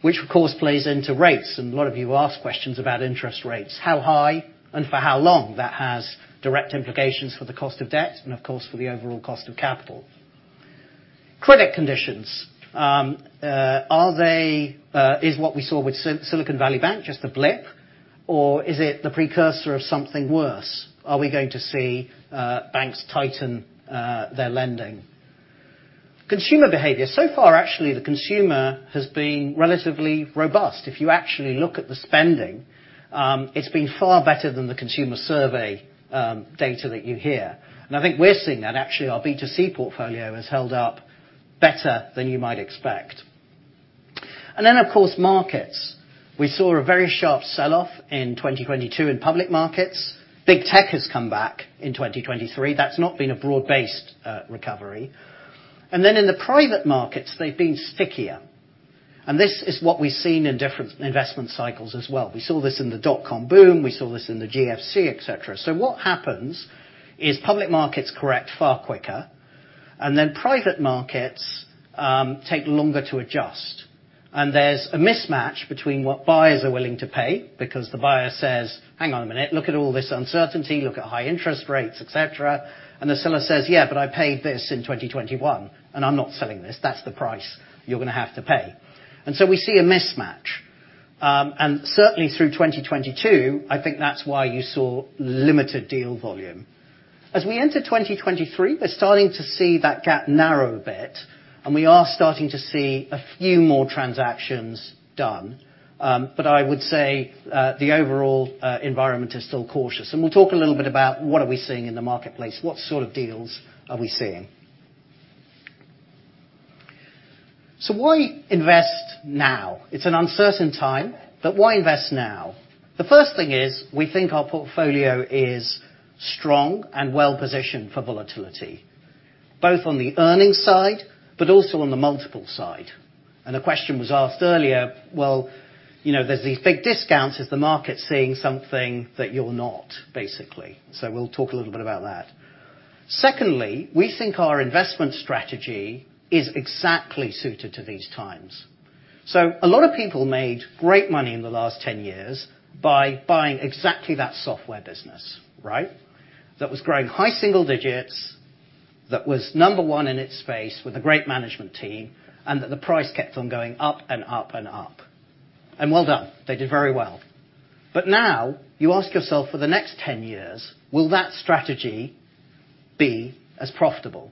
which of course, plays into rates. A lot of you ask questions about interest rates, how high and for how long? That has direct implications for the cost of debt and, of course, for the overall cost of capital. Credit conditions. Are they? Is what we saw with Silicon Valley Bank just a blip? Is it the precursor of something worse? Are we going to see banks tighten their lending? Consumer behavior. So far, actually, the consumer has been relatively robust. If you actually look at the spending, it's been far better than the consumer survey data that you hear. I think we're seeing that. Actually, our B2C portfolio has held up better than you might expect. Then, of course, markets. We saw a very sharp sell-off in 2022 in public markets. Big Tech has come back in 2023. That's not been a broad-based recovery. Then in the private markets, they've been stickier, and this is what we've seen in different investment cycles as well. We saw this in the dot-com boom, we saw this in the GFC, et cetera. What happens is public markets correct far quicker, and then private markets take longer to adjust. There's a mismatch between what buyers are willing to pay, because the buyer says, "Hang on a minute. Look at all this uncertainty, look at high interest rates," et cetera. The seller says, "Yeah, but I paid this in 2021, and I'm not selling this. That's the price you're gonna have to pay." We see a mismatch. Certainly through 2022, I think that's why you saw limited deal volume. As we enter 2023, we're starting to see that gap narrow a bit, and we are starting to see a few more transactions done. I would say the overall environment is still cautious. We'll talk a little bit about what are we seeing in the marketplace, what sort of deals are we seeing? Why invest now? It's an uncertain time, but why invest now? The first thing is, we think our portfolio is strong and well-positioned for volatility, both on the earnings side, but also on the multiple side. The question was asked earlier, well, you know, there's these big discounts, is the market seeing something that you're not, basically? We'll talk a little bit about that. Secondly, we think our investment strategy is exactly suited to these times. A lot of people made great money in the last 10 years by buying exactly that software business, right? That was growing high single digits, that was number one in its space with a great management team, and that the price kept on going up and up and up. Well done. They did very well. Now, you ask yourself, for the next 10 years, will that strategy be as profitable,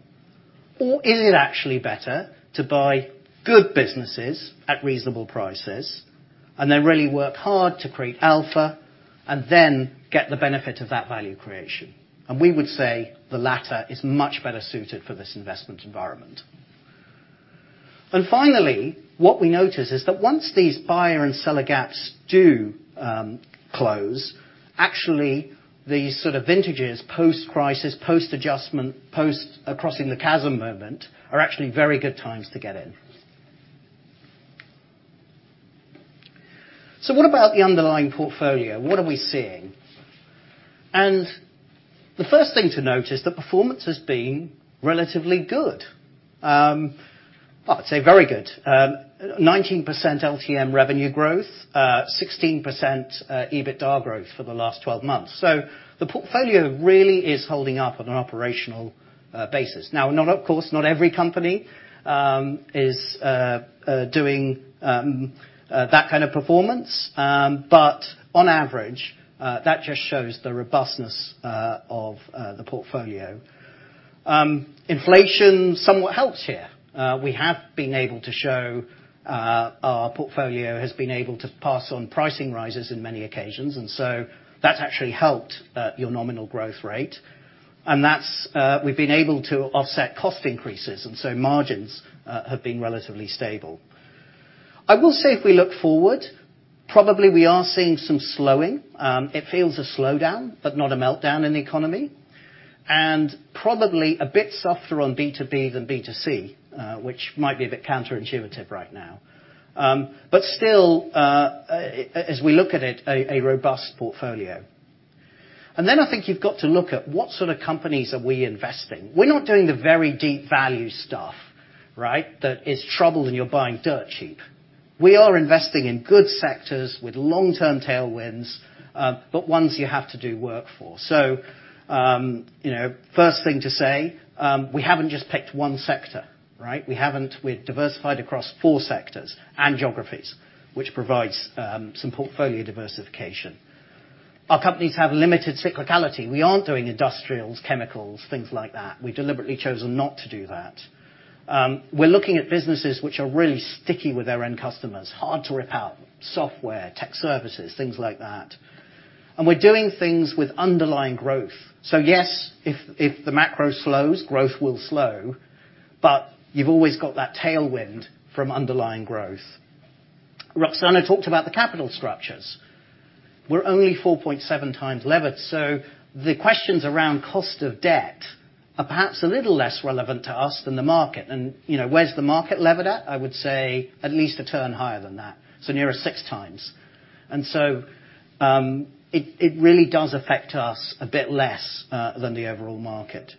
or is it actually better to buy good businesses at reasonable prices, and then really work hard to create alpha, and then get the benefit of that value creation? We would say the latter is much better suited for this investment environment. Finally, what we notice is that once these buyer and seller gaps do close, actually, these sort of vintages, post-crisis, post-adjustment, post-acrossing-the-chasm moment, are actually very good times to get in. What about the underlying portfolio? What are we seeing? The first thing to note is that performance has been relatively good. I'd say very good. 19% LTM revenue growth, 16% EBITDA growth for the last 12 months. The portfolio really is holding up on an operational basis. Not of course, not every company is doing that kind of performance, but on average, that just shows the robustness of the portfolio. Inflation somewhat helps here. We have been able to show, our portfolio has been able to pass on pricing rises in many occasions, and so that's actually helped your nominal growth rate. That's... we've been able to offset cost increases, and so margins have been relatively stable. I will say, if we look forward, probably we are seeing some slowing. It feels a slowdown, but not a meltdown in the economy, and probably a bit softer on B2B than B2C, which might be a bit counterintuitive right now. Still, as we look at it, a robust portfolio. I think you've got to look at what sort of companies are we investing. We're not doing the very deep value stuff, right? That is trouble and you're buying dirt cheap. We are investing in good sectors with long-term tailwinds, but ones you have to do work for. You know, first thing to say, we haven't just picked one sector, right? We've diversified across four sectors and geographies, which provides some portfolio diversification. Our companies have limited cyclicality. We aren't doing industrials, chemicals, things like that. We've deliberately chosen not to do that. We're looking at businesses which are really sticky with their end customers, hard to rip out, software, tech services, things like that. We're doing things with underlying growth. Yes, if the macro slows, growth will slow, but you've always got that tailwind from underlying growth. Roxana talked about the capital structures. We're only 4.7x levered, so the questions around cost of debt are perhaps a little less relevant to us than the market. You know, where's the market levered at? I would say at least a turn higher than that, so nearer 6x. It really does affect us a bit less than the overall market.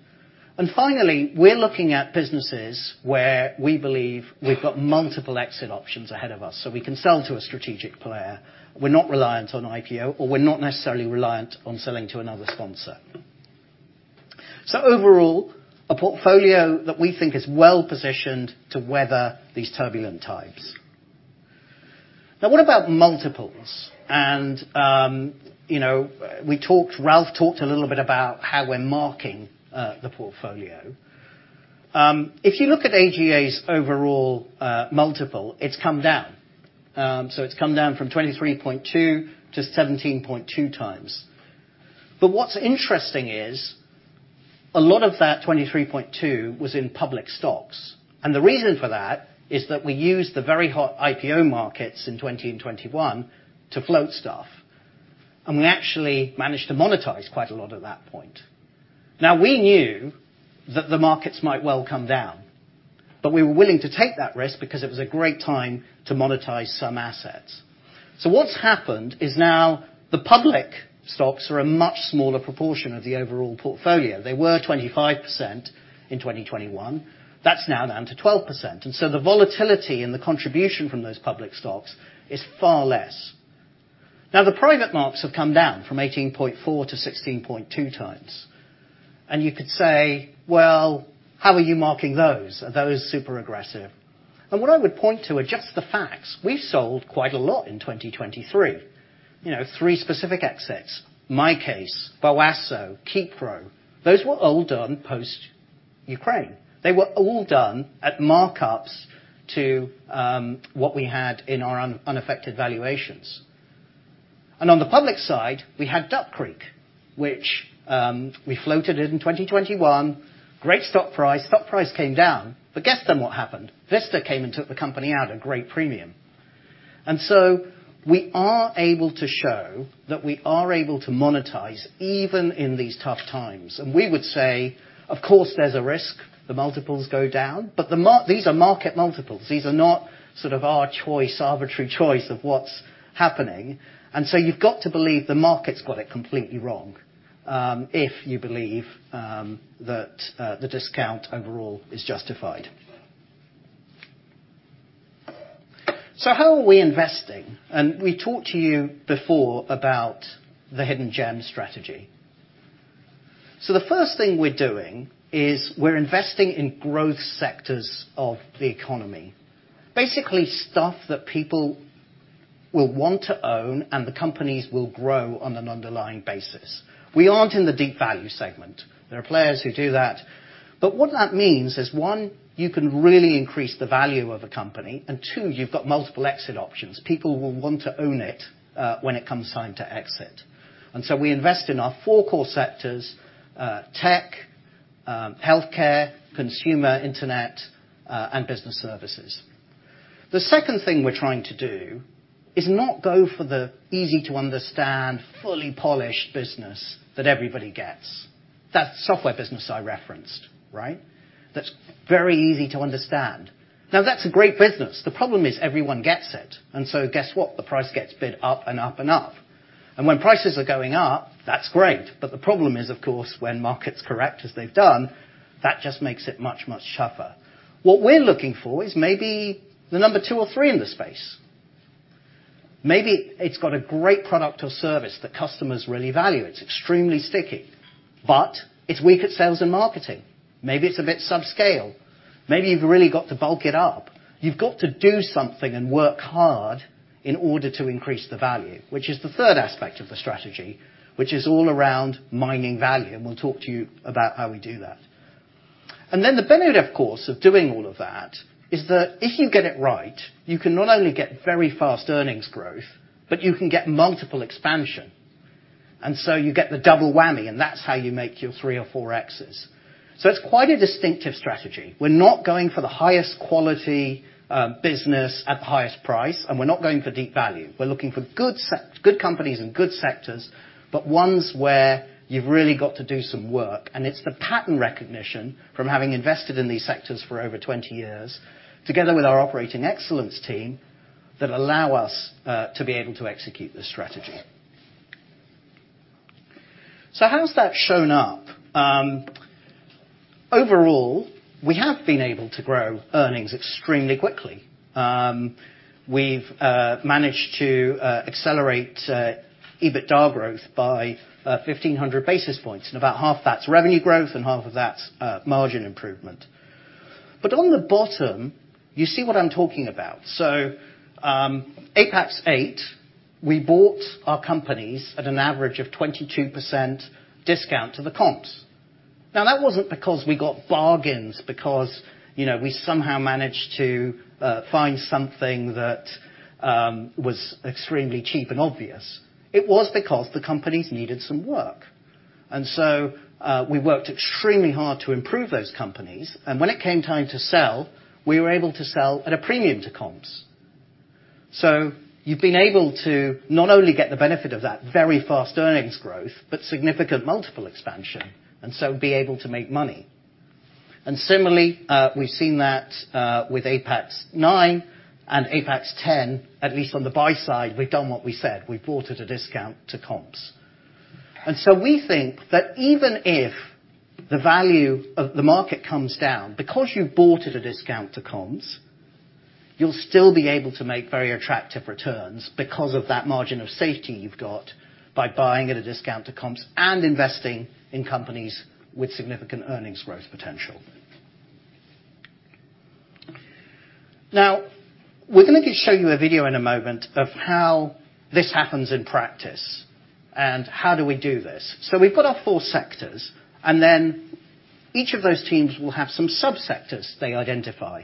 Finally, we're looking at businesses where we believe we've got multiple exit options ahead of us, so we can sell to a strategic player. We're not reliant on IPO, or we're not necessarily reliant on selling to another sponsor. Overall, a portfolio that we think is well-positioned to weather these turbulent times. Now, what about multiples? You know, Ralf talked a little bit about how we're marking the portfolio. If you look at AGA's overall multiple, it's come down. It's come down from 23.2x-17.2x. What's interesting is, a lot of that 23.2 was in public stocks, and the reason for that is that we used the very hot IPO markets in 2020 and 2021 to float stuff, and we actually managed to monetize quite a lot at that point. Now, we knew that the markets might well come down, but we were willing to take that risk because it was a great time to monetize some assets. What's happened is now the public stocks are a much smaller proportion of the overall portfolio. They were 25% in 2021. That's now down to 12%, and so the volatility and the contribution from those public stocks is far less. Now, the private marks have come down from 18.4x-16.2x. You could say, "Well, how are you marking those? Are those super aggressive?" What I would point to are just the facts. We've sold quite a lot in 2023. You know, three specific exits: MyCase, Boasso, Kepro. Those were all done post-Ukraine. They were all done at markups to what we had in our unaffected valuations. On the public side, we had Duck Creek, which we floated it in 2021. Great stock price. Stock price came down, but guess then what happened? Vista came and took the company out, a great premium. We are able to show that we are able to monetize even in these tough times. We would say, of course, there's a risk, the multiples go down, but these are market multiples. These are not sort of our choice, arbitrary choice of what's happening, you've got to believe the market's got it completely wrong, if you believe that the discount overall is justified. How are we investing? We talked to you before about the hidden gem strategy. The first thing we're doing is we're investing in growth sectors of the economy, basically, stuff that people will want to own, and the companies will grow on an underlying basis. We aren't in the deep value segment. There are players who do that. What that means is, one, you can really increase the value of a company, and two, you've got multiple exit options. People will want to own it, when it comes time to exit. We invest in our four core sectors: tech, healthcare, consumer internet, and business services. The second thing we're trying to do is not go for the easy to understand, fully polished business that everybody gets. That software business I referenced, right? That's very easy to understand. Now, that's a great business. The problem is, everyone gets it, and so guess what? The price gets bid up and up and up. When prices are going up, that's great, but the problem is, of course, when markets correct, as they've done, that just makes it much, much tougher. What we're looking for is maybe the number two or three in the space. Maybe it's got a great product or service that customers really value. It's extremely sticky, but it's weak at sales and marketing. Maybe it's a bit subscale. Maybe you've really got to bulk it up. You've got to do something and work hard in order to increase the value, which is the third aspect of the strategy, which is all around mining value, and we'll talk to you about how we do that. The benefit, of course, of doing all of that is that if you get it right, you can not only get very fast earnings growth, but you can get multiple expansion. You get the double whammy, and that's how you make your three or four Xs. It's quite a distinctive strategy. We're not going for the highest quality business at the highest price, and we're not going for deep value. We're looking for good companies and good sectors, but ones where you've really got to do some work, and it's the pattern recognition from having invested in these sectors for over 20 years, together with our operating excellence team, that allow us to be able to execute this strategy. How has that shown up? Overall, we have been able to grow earnings extremely quickly. We've managed to accelerate EBITDA growth by 1,500 basis points, and about half that's revenue growth and half of that's margin improvement. On the bottom, you see what I'm talking about. Apax VIII, we bought our companies at an average of 22% discount to the comps. That wasn't because we got bargains, because, you know, we somehow managed to find something that was extremely cheap and obvious. It was because the companies needed some work, we worked extremely hard to improve those companies, and when it came time to sell, we were able to sell at a premium to comps. You've been able to not only get the benefit of that very fast earnings growth, but significant multiple expansion, and so be able to make money. Similarly, we've seen that with Apax IX and Apax X, at least on the buy side, we've done what we said, we bought at a discount to comps. We think that even if the value of the market comes down, because you bought at a discount to comps-... You'll still be able to make very attractive returns because of that margin of safety you've got by buying at a discount to comps and investing in companies with significant earnings growth potential. We're gonna just show you a video in a moment of how this happens in practice, and how do we do this? We've got our four sectors, and then each of those teams will have some subsectors they identify.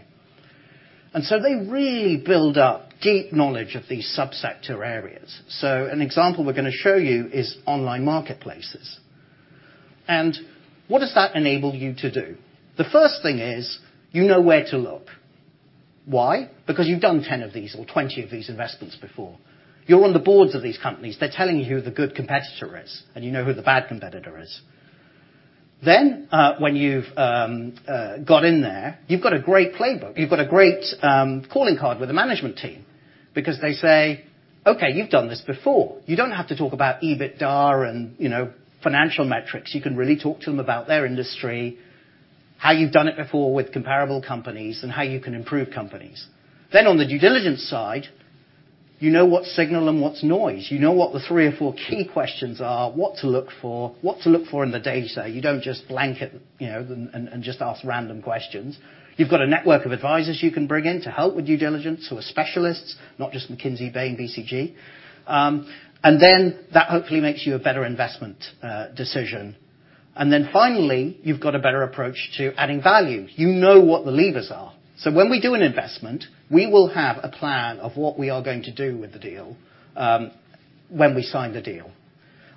They really build up deep knowledge of these subsector areas. An example we're gonna show you is online marketplaces. What does that enable you to do? The first thing is, you know where to look. Why? Because you've done 10 of these or 20 of these investments before. You're on the boards of these companies. They're telling you who the good competitor is, and you know who the bad competitor is. When you've got in there, you've got a great playbook. You've got a great calling card with the management team because they say, "Okay, you've done this before." You don't have to talk about EBITDA and, you know, financial metrics. You can really talk to them about their industry, how you've done it before with comparable companies, and how you can improve companies. On the due diligence side, you know what's signal and what's noise. You know what the three or four key questions are, what to look for, what to look for in the data. You don't just blanket, you know, and just ask random questions. You've got a network of advisors you can bring in to help with due diligence, who are specialists, not just McKinsey, Bain, BCG. That hopefully makes you a better investment decision. Finally, you've got a better approach to adding value. You know what the levers are. When we do an investment, we will have a plan of what we are going to do with the deal, when we sign the deal,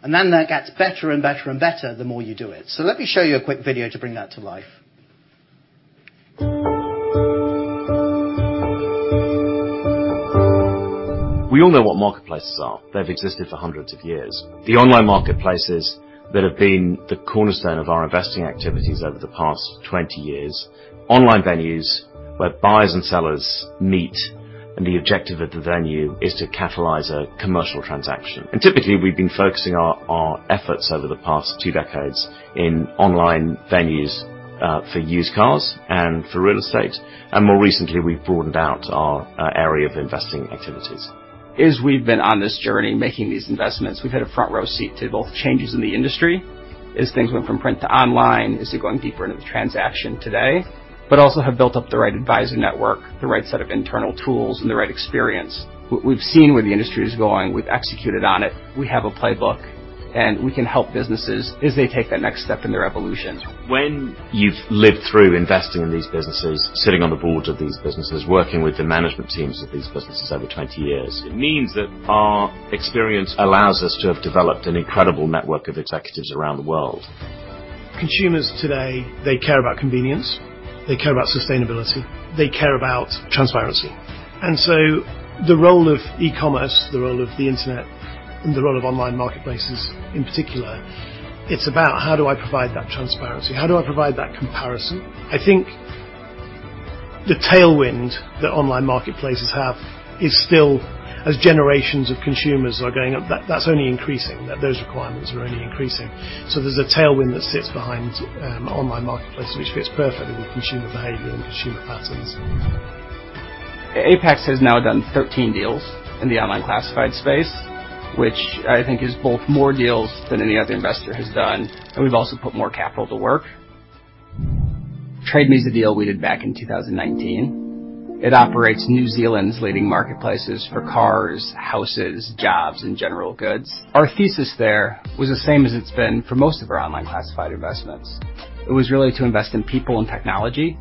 then that gets better and better and better the more you do it. Let me show you a quick video to bring that to life.
We all know what marketplaces are. They've existed for hundreds of years. The online marketplaces that have been the cornerstone of our investing activities over the past 20 years, online venues where buyers and sellers meet, the objective of the venue is to catalyze a commercial transaction. Typically, we've been focusing our efforts over the past two decades in online venues for used cars and for real estate, and more recently, we've broadened out our area of investing activities. As we've been on this journey, making these investments, we've had a front-row seat to both changes in the industry as things went from print to online, as they're going deeper into the transaction today, but also have built up the right advisor network, the right set of internal tools, and the right experience. We've seen where the industry is going. We've executed on it. We have a playbook, and we can help businesses as they take that next step in their evolution. When you've lived through investing in these businesses, sitting on the boards of these businesses, working with the management teams of these businesses over 20 years, it means that our experience allows us to have developed an incredible network of executives around the world. Consumers today, they care about convenience, they care about sustainability, they care about transparency. The role of e-commerce, the role of the internet, and the role of online marketplaces, in particular, it's about: How do I provide that transparency? How do I provide that comparison? I think the tailwind that online marketplaces have is still, As generations of consumers are going up, that's only increasing, that those requirements are only increasing. There's a tailwind that sits behind online marketplaces, which fits perfectly with consumer behavior and consumer patterns. Apax has now done 13 deals in the online classified space, which I think is both more deals than any other investor has done, and we've also put more capital to work. Trade Me's a deal we did back in 2019. It operates New Zealand's leading marketplaces for cars, houses, jobs, and general goods. Our thesis there was the same as it's been for most of our online classified investments. It was really to invest in people and technology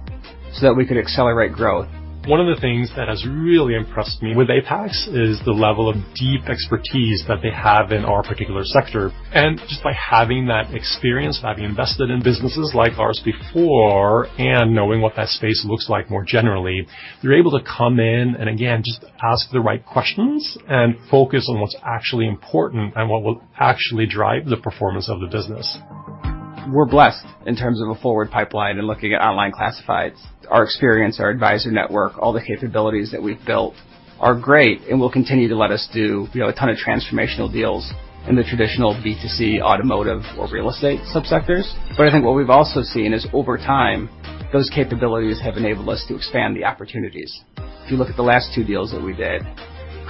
so that we could accelerate growth. One of the things that has really impressed me with Apax is the level of deep expertise that they have in our particular sector. Just by having that experience, having invested in businesses like ours before, and knowing what that space looks like more generally, they're able to come in and, again, just ask the right questions and focus on what's actually important and what will actually drive the performance of the business. We're blessed in terms of a forward pipeline and looking at online classifieds. Our experience, our advisor network, all the capabilities that we've built are great and will continue to let us do, you know, a ton of transformational deals in the traditional B2C, automotive, or real estate subsectors. I think what we've also seen is, over time, those capabilities have enabled us to expand the opportunities. If you look at the last two deals that we did,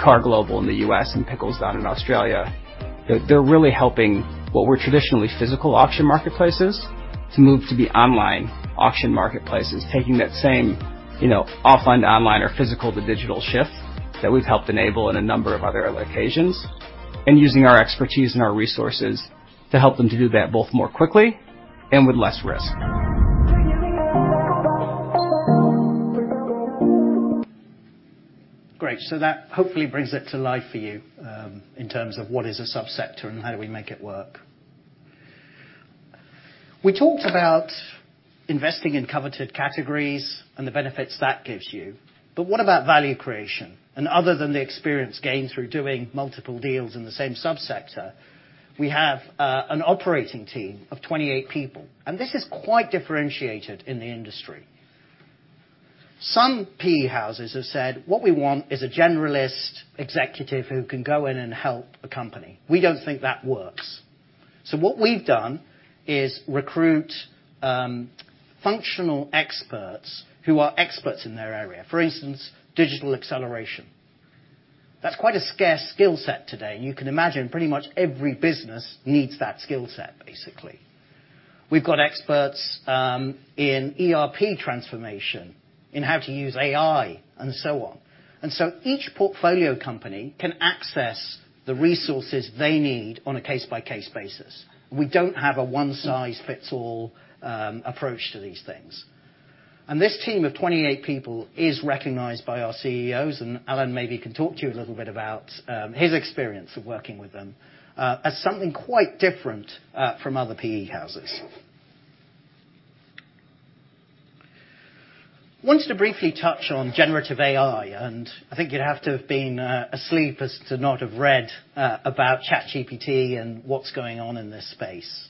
KAR Global in the U.S. and Pickles down in Australia, they're really helping what were traditionally physical auction marketplaces to move to the online auction marketplaces, taking that same, you know, offline to online or physical to digital shift that we've helped enable in a number of other allocations, and using our expertise and our resources to help them to do that, both more quickly and with less risk.
Great. That hopefully brings it to life for you, in terms of what is a subsector and how do we make it work. We talked about investing in coveted categories and the benefits that gives you, but what about value creation? Other than the experience gained through doing multiple deals in the same subsector, we have an operating team of 28 people, and this is quite differentiated in the industry. Some PE houses have said: What we want is a generalist executive who can go in and help a company. We don't think that works. What we've done is recruit functional experts who are experts in their area, for instance, digital acceleration. That's quite a scarce skill set today. You can imagine pretty much every business needs that skill set, basically. We've got experts in ERP transformation, in how to use AI and so on. Each portfolio company can access the resources they need on a case-by-case basis. We don't have a one-size-fits-all approach to these things. This team of 28 people is recognized by our CEOs, and Alyn maybe can talk to you a little bit about his experience of working with them as something quite different from other PE houses. Wanted to briefly touch on generative AI, I think you'd have to have been asleep as to not have read about ChatGPT and what's going on in this space.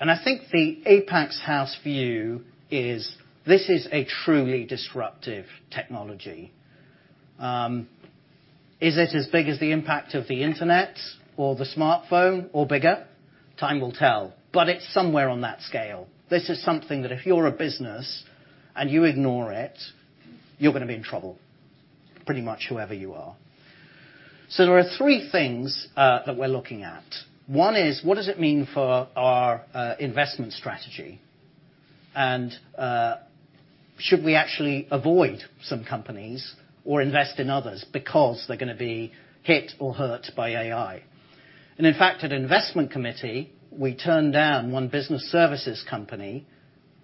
I think the Apax house view is, this is a truly disruptive technology. Is it as big as the impact of the internet or the smartphone or bigger? Time will tell, but it's somewhere on that scale. This is something that if you're a business and you ignore it, you're gonna be in trouble, pretty much whoever you are. There are three things that we're looking at. One is, what does it mean for our investment strategy? Should we actually avoid some companies or invest in others because they're gonna be hit or hurt by AI? In fact, at investment committee, we turned down one business services company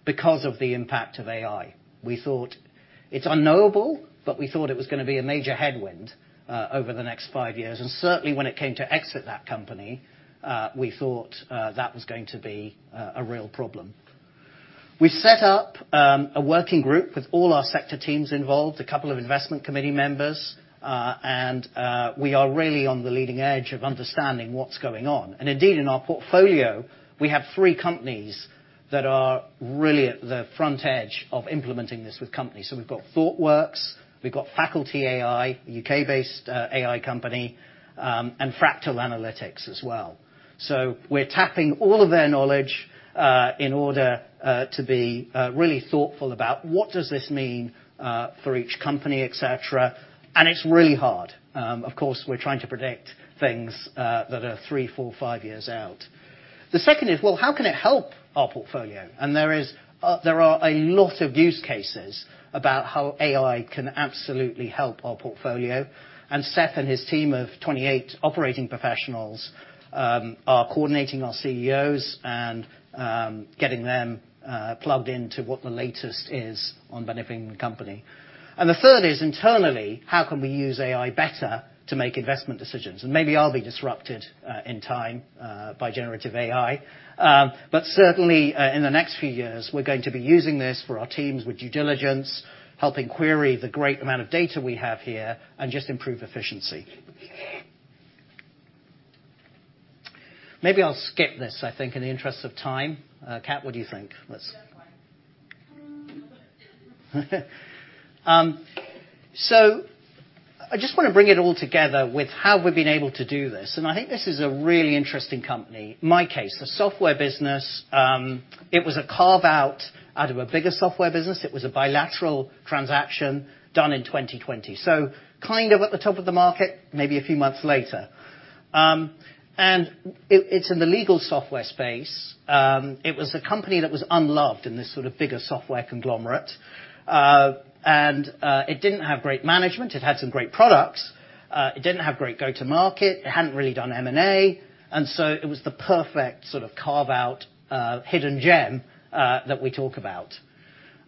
because of the impact of AI. We thought it's unknowable, but we thought it was gonna be a major headwind over the next five years, and certainly when it came to exit that company, we thought that was going to be a real problem. We set up a working group with all our sector teams involved, a couple of investment committee members, we are really on the leading edge of understanding what's going on. In our portfolio, we have three companies that are really at the front edge of implementing this with companies. We've got Thoughtworks, we've got Faculty AI, a U.K.-based AI company, Fractal Analytics as well. We're tapping all of their knowledge in order to be really thoughtful about what does this mean for each company, et cetera. It's really hard. Of course, we're trying to predict things that are three, four, five years out. The second is, well, how can it help our portfolio? There are a lot of use cases about how AI can absolutely help our portfolio, Seth and his team of 28 operating professionals are coordinating our CEOs and getting them plugged into what the latest is on benefiting the company. The third is, internally, how can we use AI better to make investment decisions? Maybe I'll be disrupted in time by generative AI. But certainly, in the next few years, we're going to be using this for our teams, with due diligence, helping query the great amount of data we have here and just improve efficiency. Maybe I'll skip this, I think, in the interest of time. Cat, what do you think?
Yeah, fine.
I just want to bring it all together with how we've been able to do this, and I think this is a really interesting company. MyCase, the software business, it was a carve-out out of a bigger software business. It was a bilateral transaction done in 2020. Kind of at the top of the market, maybe a few months later. It's in the legal software space. It was a company that was unloved in this sort of bigger software conglomerate. It didn't have great management. It had some great products. It didn't have great go-to-market. It hadn't really done M&A, it was the perfect sort of carve out, hidden gem, that we talk about.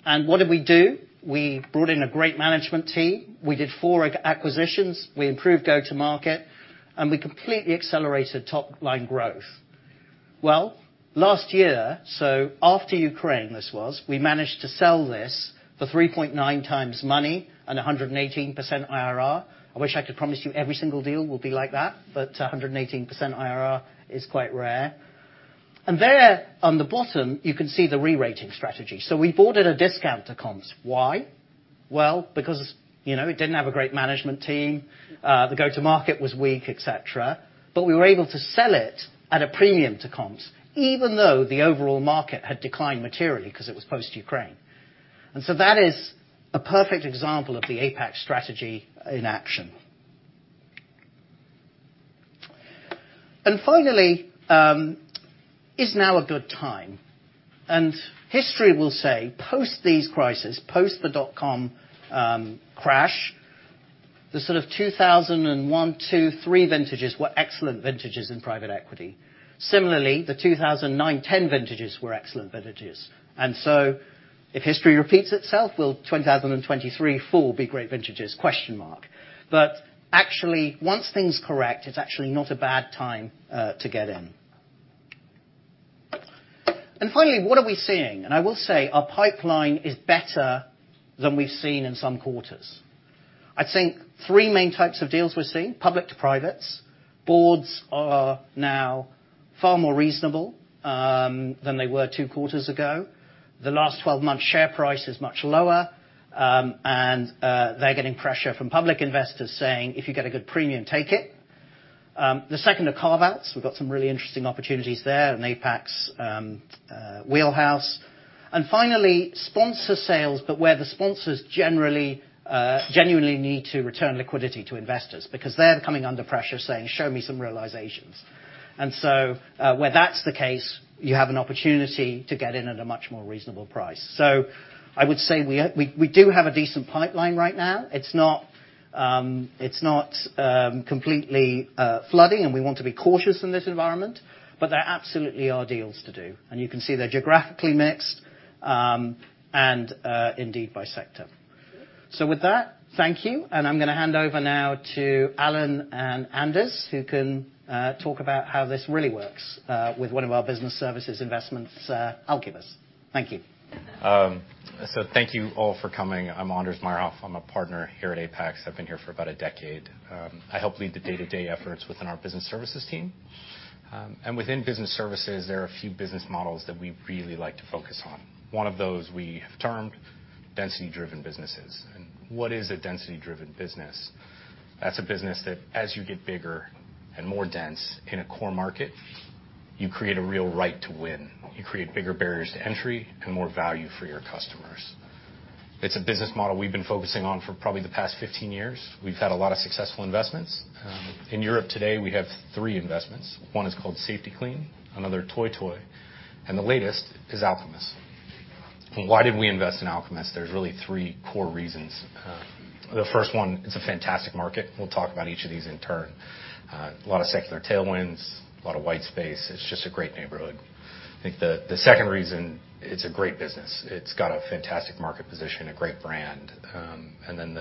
What did we do? We brought in a great management team. We did four acquisitions, we improved go-to-market, we completely accelerated top-line growth. Well, last year, after Ukraine, we managed to sell this for 3.9x money and 118% IRR. I wish I could promise you every single deal will be like that, 118% IRR is quite rare. There, on the bottom, you can see the re-rating strategy. We bought at a discount to comps. Why? Well, because, you know, it didn't have a great management team, the go-to-market was weak, et cetera, but we were able to sell it at a premium to comps, even though the overall market had declined materially because it was post Ukraine. That is a perfect example of the Apax strategy in action. Finally, is now a good time? History will say, post these crises, post the dotcom crash, the sort of 2001, 2002, 2003 vintages were excellent vintages in private equity. Similarly, the 2009, 2010 vintages were excellent vintages. If history repeats itself, will 2023 full be great vintages, question mark. Actually, once things correct, it's actually not a bad time to get in. Finally, what are we seeing? I will say our pipeline is better than we've seen in some quarters. I'd say three main types of deals we're seeing, public-to-privates. Boards are now far more reasonable than they were two quarters ago. The last 12-month share price is much lower. They're getting pressure from public investors saying, "If you get a good premium, take it." The second are carve-outs. We've got some really interesting opportunities there in Apax wheelhouse. Finally, sponsor sales, but where the sponsors generally genuinely need to return liquidity to investors because they're coming under pressure saying, "Show me some realizations." where that's the case, you have an opportunity to get in at a much more reasonable price. I would say we do have a decent pipeline right now. It's not, it's not completely flooding, and we want to be cautious in this environment, but there absolutely are deals to do, and you can see they're geographically mixed and indeed, by sector. With that, thank you, and I'm going to hand over now to Alyn and Anders, who can talk about how this really works with one of our business services investments, Alcumus. Thank you.
Thank you all for coming. I'm Anders Meyerhoff. I'm a partner here at Apax. I've been here for about a decade. I help lead the day-to-day efforts within our business services team. Within business services, there are a few business models that we really like to focus on. One of those, we have termed density-driven businesses. What is a density-driven business? That's a business that as you get bigger and more dense in a core market, you create a real right to win. You create bigger barriers to entry and more value for your customers. It's a business model we've been focusing on for probably the past 15 years. We've had a lot of successful investments. In Europe today, we have three investments. One is called Safety-Kleen, another Toi Toi, and the latest is Alcumus. Why did we invest in Alcumus? There's really three core reasons. The first one, it's a fantastic market. We'll talk about each of these in turn. A lot of secular tailwinds, a lot of white space. It's just a great neighborhood. I think the second reason, it's a great business. It's got a fantastic market position, a great brand. And then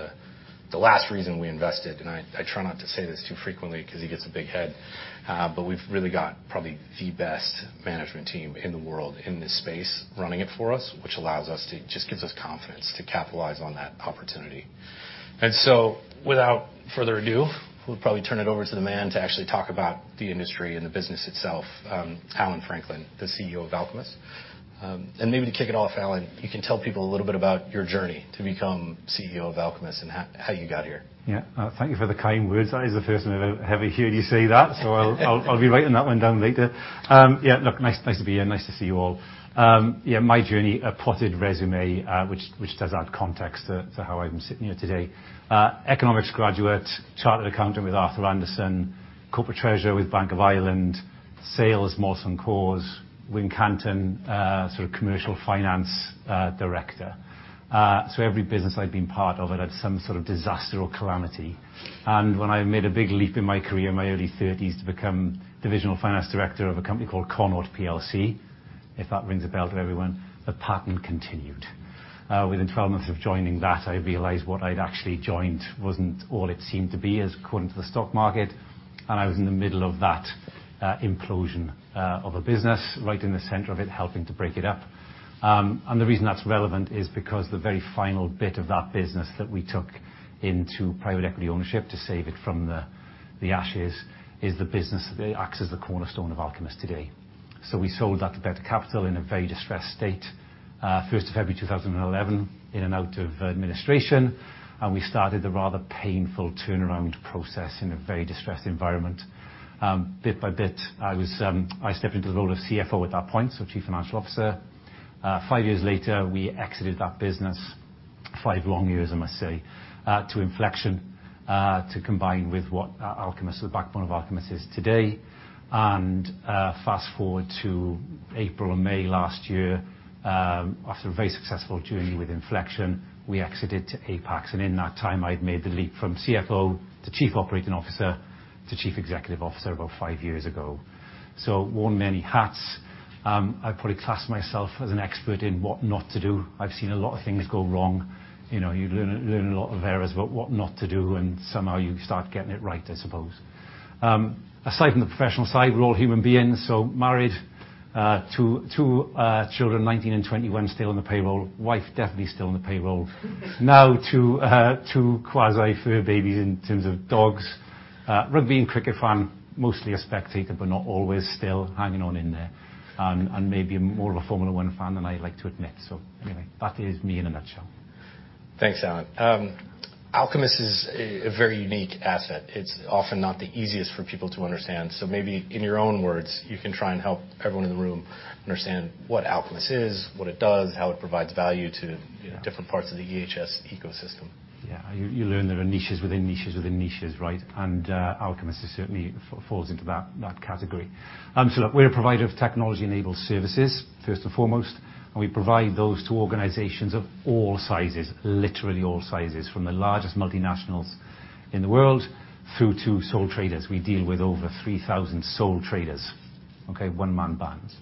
the last reason we invested, and I try not to say this too frequently because he gets a big head, but we've really got probably the best management team in the world, in this space, running it for us, which allows us to. Just gives us confidence to capitalize on that opportunity. Without further ado, we'll probably turn it over to the man to actually talk about the industry and the business itself, Alyn Franklin, the CEO of Alcumus. Maybe to kick it off, Alyn, you can tell people a little bit about your journey to become CEO of Alcumus and how you got here.
Yeah. Thank you for the kind words. That is the first time I've ever heard you say that, so I'll be writing that one down later. Yeah, look, nice to be here. Nice to see you all. Yeah, my journey, a potted resume, which does add context to how I'm sitting here today. Economics graduate, chartered accountant with Arthur Andersen, corporate treasurer with Bank of Ireland, sales, Molson Coors, Wincanton, sort of commercial finance director. Every business I've been part of, it had some sort of disaster or calamity. When I made a big leap in my career in my early thirties to become divisional finance director of a company called Connaught PLC, if that rings a bell to everyone, the pattern continued. Within 12 months of joining that, I realized what I'd actually joined wasn't all it seemed to be as according to the stock market. I was in the middle of that implosion of a business, right in the center of it, helping to break it up. The reason that's relevant is because the very final bit of that business that we took into private equity ownership to save it from the ashes is the business that acts as the cornerstone of Alcumus today. We sold that to Better Capital in a very distressed state, February 1st, 2011, in and out of administration. We started the rather painful turnaround process in a very distressed environment. Bit by bit, I stepped into the role of CFO at that point, so Chief Financial Officer. Five years later, we exited that business, five long years, I must say, to Inflexion, to combine with what Alcumus, the backbone of Alcumus is today. Fast-forward to April or May last year, after a very successful journey with Inflexion, we exited to Apax, and in that time, I'd made the leap from CFO to chief operating officer to chief executive officer about five years ago. Worn many hats. I probably class myself as an expert in what not to do. I've seen a lot of things go wrong. You know, you learn a lot of errors about what not to do, and somehow you start getting it right, I suppose. Aside from the professional side, we're all human beings, so married, two children, 19 and 21, still on the payroll. Wife, definitely still on the payroll. Now, two quasi fur babies in terms of dogs. Rugby and cricket fan, mostly a spectator, but not always, still hanging on in there. Maybe more of a Formula One fan than I'd like to admit. Anyway, that is me in a nutshell.
Thanks, Alyn. Alcumus is a very unique asset. It's often not the easiest for people to understand. Maybe in your own words, you can try and help everyone in the room understand what Alcumus is, what it does, how it provides value to-
Yeah...
different parts of the EHS ecosystem.
Yeah. You learn there are niches within niches within niches, right? Alcumus certainly falls into that category. Look, we're a provider of technology-enabled services, first and foremost, and we provide those to organizations of all sizes, literally all sizes, from the largest multinationals in the world through to sole traders. We deal with over 3,000 sole traders, okay? One-man bands.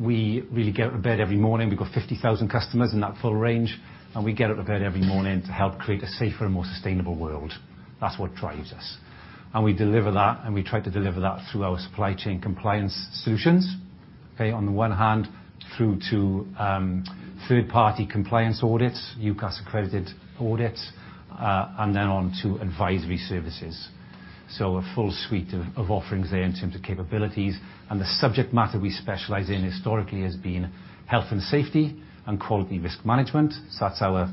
We really get out of bed every morning. We've got 50,000 customers in that full range, and we get out of bed every morning to help create a safer and more sustainable world. That's what drives us. We deliver that, and we try to deliver that through our supply chain compliance solutions, okay? On the one hand, through to third-party compliance audits, UKAS-accredited audits, and then on to advisory services.... A full suite of offerings there in terms of capabilities, and the subject matter we specialize in historically has been health and safety and quality risk management. That's our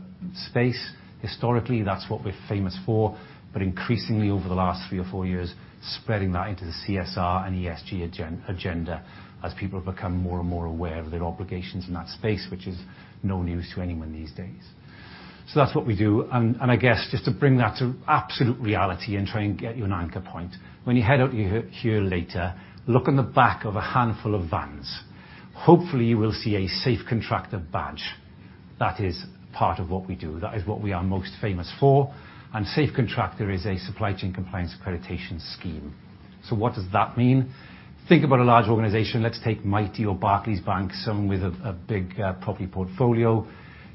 space. Historically, that's what we're famous for, but increasingly over the last three or four years, spreading that into the CSR and ESG agenda as people have become more and more aware of their obligations in that space, which is no news to anyone these days. That's what we do. I guess just to bring that to absolute reality and try and get you an anchor point, when you head out of here later, look on the back of a handful of vans. Hopefully, you will see a SafeContractor badge. That is part of what we do. That is what we are most famous for, and SafeContractor is a supply chain compliance accreditation scheme. What does that mean? Think about a large organization. Let's take Mighty or Barclays Bank, someone with a big property portfolio.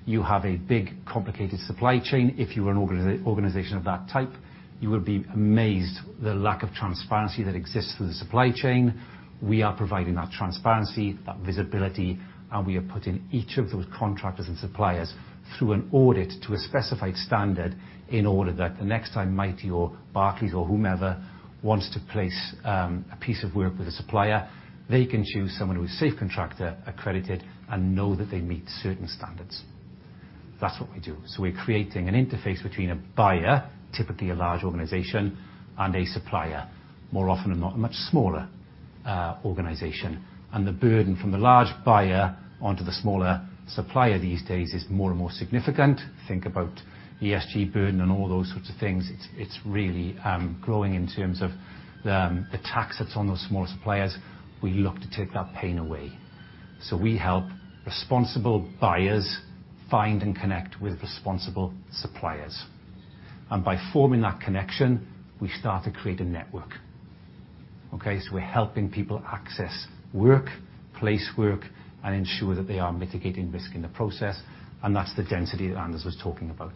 You have a big, complicated supply chain. If you were an organization of that type, you would be amazed the lack of transparency that exists through the supply chain. We are providing that transparency, that visibility, and we are putting each of those contractors and suppliers through an audit to a specified standard in order that the next time Mighty or Barclays or whomever wants to place a piece of work with a supplier, they can choose someone who is SafeContractor accredited and know that they meet certain standards. That's what we do. We're creating an interface between a buyer, typically a large organization, and a supplier, more often than not, a much smaller organization. The burden from the large buyer onto the smaller supplier these days is more and more significant. Think about ESG burden and all those sorts of things. It's really growing in terms of the tax that's on those smaller suppliers. We look to take that pain away. We help responsible buyers find and connect with responsible suppliers. By forming that connection, we start to create a network, okay? We're helping people access work, place work, and ensure that they are mitigating risk in the process, and that's the density that Anders was talking about.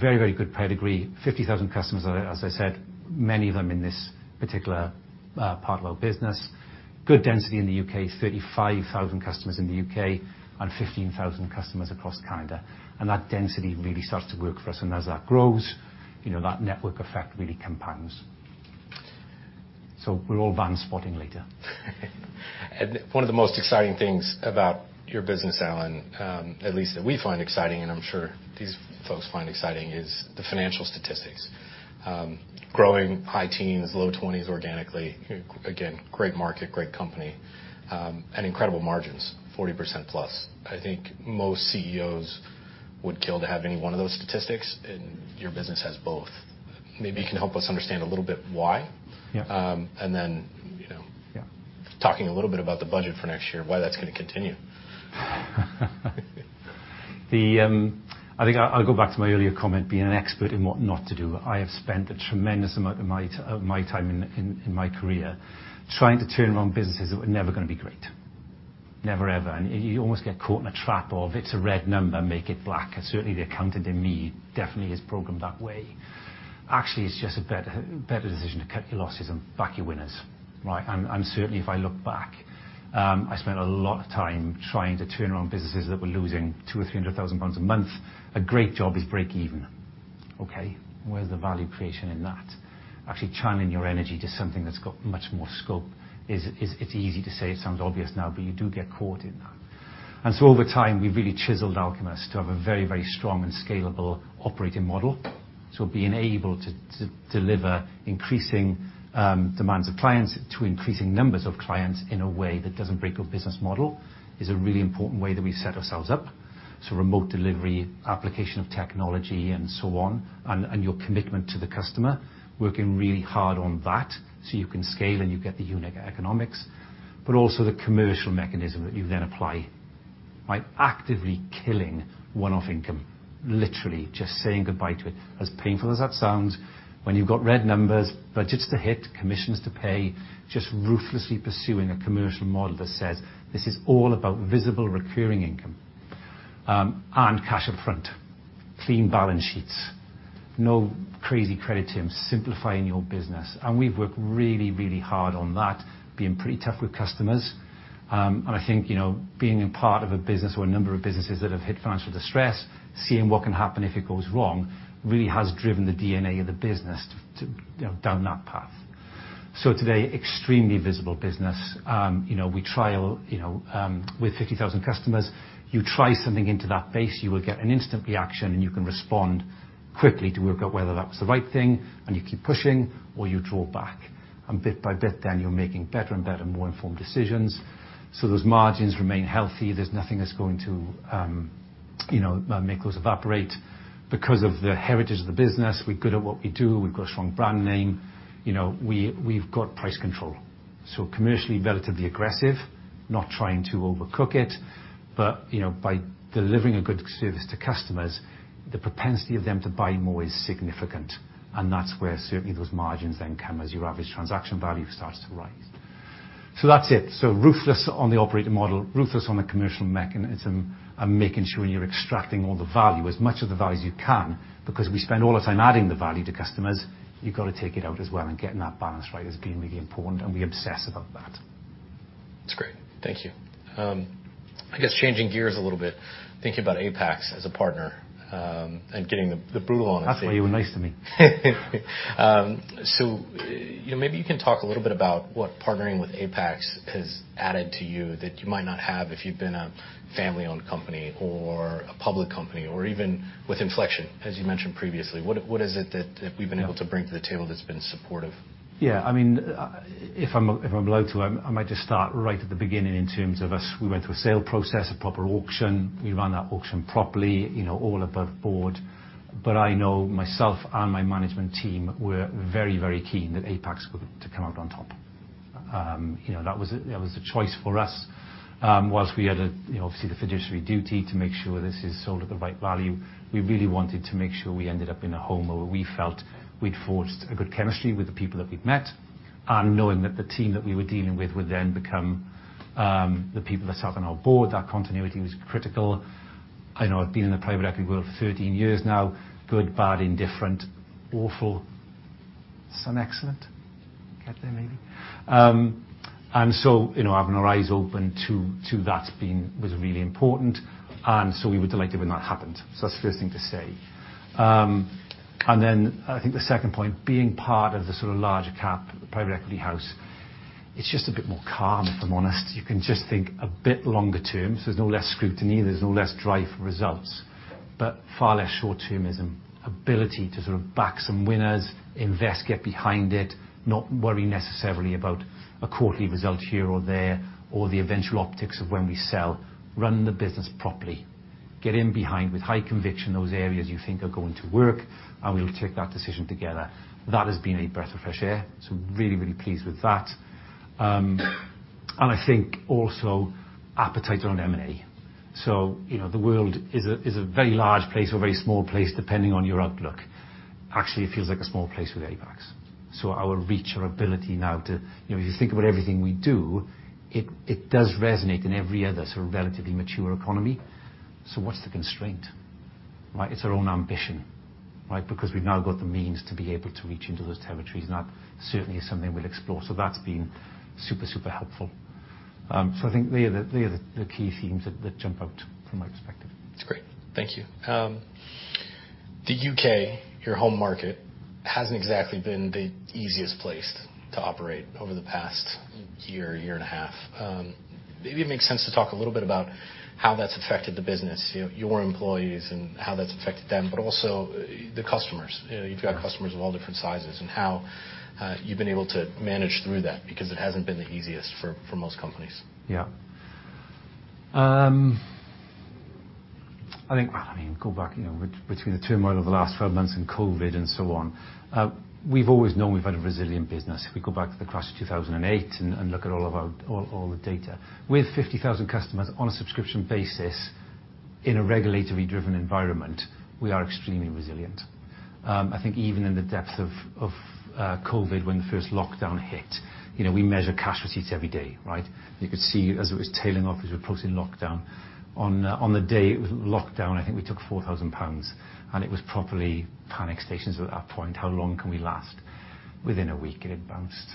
Very, very good pedigree, 50,000 customers, as I said, many of them in this particular part of our business. Good density in the U.K., 35,000 customers in the UK and 15,000 customers across Canada. That density really starts to work for us. As that grows, you know, that network effect really compounds. We're all van spotting later.
One of the most exciting things about your business, Alyn, at least that we find exciting, and I'm sure these folks find exciting, is the financial statistics. Growing high teens, low 20s, organically. Again, great market, great company, and incredible margins, 40%+. I think most CEOs would kill to have any one of those statistics, and your business has both. Maybe you can help us understand a little bit why.
Yeah.
Um, and then, you know -
Yeah.
Talking a little bit about the budget for next year, why that's going to continue.
I think I'll go back to my earlier comment, being an expert in what not to do. I have spent a tremendous amount of my time in my career trying to turn around businesses that were never going to be great. Never, ever. You almost get caught in a trap of, "It's a red number, make it black." Certainly, the accountant in me definitely is programmed that way. Actually, it's just a better decision to cut your losses and back your winners, right? Certainly, if I look back, I spent a lot of time trying to turn around businesses that were losing 200,000-300,000 pounds a month. A great job is break even, okay? Where's the value creation in that? Actually channeling your energy to something that's got much more scope is. It's easy to say, it sounds obvious now, but you do get caught in that. Over time, we've really chiseled Alcumus to have a very, very strong and scalable operating model. Being able to deliver increasing demands of clients to increasing numbers of clients in a way that doesn't break your business model is a really important way that we set ourselves up. Remote delivery, application of technology, and so on, and your commitment to the customer, working really hard on that so you can scale and you get the unique economics, but also the commercial mechanism that you then apply by actively killing one-off income, literally just saying goodbye to it. As painful as that sounds, when you've got red numbers, budgets to hit, commissions to pay, just ruthlessly pursuing a commercial model that says, "This is all about visible recurring income, and cash up front, clean balance sheets, no crazy credit terms, simplifying your business." We've worked really, really hard on that, being pretty tough with customers. I think, you know, being a part of a business or a number of businesses that have hit financial distress, seeing what can happen if it goes wrong, really has driven the DNA of the business to, you know, down that path. Today, extremely visible business. You know, we trial, you know, With 50,000 customers, you try something into that base, you will get an instant reaction, and you can respond quickly to work out whether that was the right thing, and you keep pushing or you draw back. Bit by bit, then you're making better and better, more informed decisions. Those margins remain healthy. There's nothing that's going to, you know, make those evaporate. Because of the heritage of the business, we're good at what we do. We've got a strong brand name. You know, we've got price control. Commercially, relatively aggressive, not trying to overcook it, but, you know, by delivering a good service to customers, the propensity of them to buy more is significant, and that's where certainly those margins then come as your average transaction value starts to rise. That's it. Ruthless on the operating model, ruthless on the commercial mechanism, and making sure you're extracting all the value, as much of the value as you can, because we spend all the time adding the value to customers. You've got to take it out as well, and getting that balance right has been really important, and we obsess about that.
That's great. Thank you. I guess changing gears a little bit, thinking about Apax as a partner, and getting the brutal honesty.
That's why you were nice to me.
You know, maybe you can talk a little bit about what partnering with Apax has added to you that you might not have if you'd been a family-owned company or a public company, or even with Inflection, as you mentioned previously. What is it that we've been able to bring to the table that's been supportive?
Yeah, I mean, if I'm allowed to, I might just start right at the beginning in terms of us. We went through a sale process, a proper auction. We ran that auction properly, you know, all above board. I know myself and my management team were very, very keen that Apax were to come out on top. You know, that was a choice for us. Whilst we had, you know, obviously, the fiduciary duty to make sure this is sold at the right value, we really wanted to make sure we ended up in a home where we felt we'd forged a good chemistry with the people that we'd met, and knowing that the team that we were dealing with would then become the people that sat on our board. That continuity was critical. I know I've been in the private equity world for 13 years now. Good, bad, indifferent, awful. Some excellent. Get there, maybe. You know, having our eyes open to that being was really important, and so we were delighted when that happened. That's the first thing to say. Then I think the second point, being part of the sort of larger cap private equity house, it's just a bit more calm, if I'm honest. You can just think a bit longer term. There's no less scrutiny, there's no less drive for results, but far less short-termism. Ability to sort of back some winners, invest, get behind it, not worry necessarily about a quarterly result here or there, or the eventual optics of when we sell. Run the business properly, get in behind with high conviction, those areas you think are going to work, We will take that decision together. That has been a breath of fresh air, Really, really pleased with that. I think also appetite around M&A. You know, the world is a very large place or a very small place, depending on your outlook. Actually, it feels like a small place with Apax. Our reach, our ability now. You know, if you think about everything we do, it does resonate in every other sort of relatively mature economy. What's the constraint? Right? It's our own ambition, right? We've now got the means to be able to reach into those territories, That certainly is something we'll explore. That's been super helpful. I think they are the key themes that jump out from my perspective.
That's great. Thank you. The U.K., your home market, hasn't exactly been the easiest place to operate over the past year and a half. Maybe it makes sense to talk a little bit about how that's affected the business, you know, your employees, and how that's affected them. Also the customers. You know, you've got customers of all different sizes. How you've been able to manage through that, because it hasn't been the easiest for most companies.
Yeah. I think, I mean, go back, you know, between the turmoil of the last 12 months and COVID and so on, we've always known we've had a resilient business. If we go back to the crash of 2008 and look at all of our, all the data, with 50,000 customers on a subscription basis in a regulatory driven environment, we are extremely resilient. I think even in the depth of COVID, when the first lockdown hit, you know, we measure cash receipts every day, right? You could see as it was tailing off, as we were approaching lockdown, on the day it was lockdown, I think we took 4,000 pounds, and it was properly panic stations at that point. How long can we last? Within a week, it had bounced.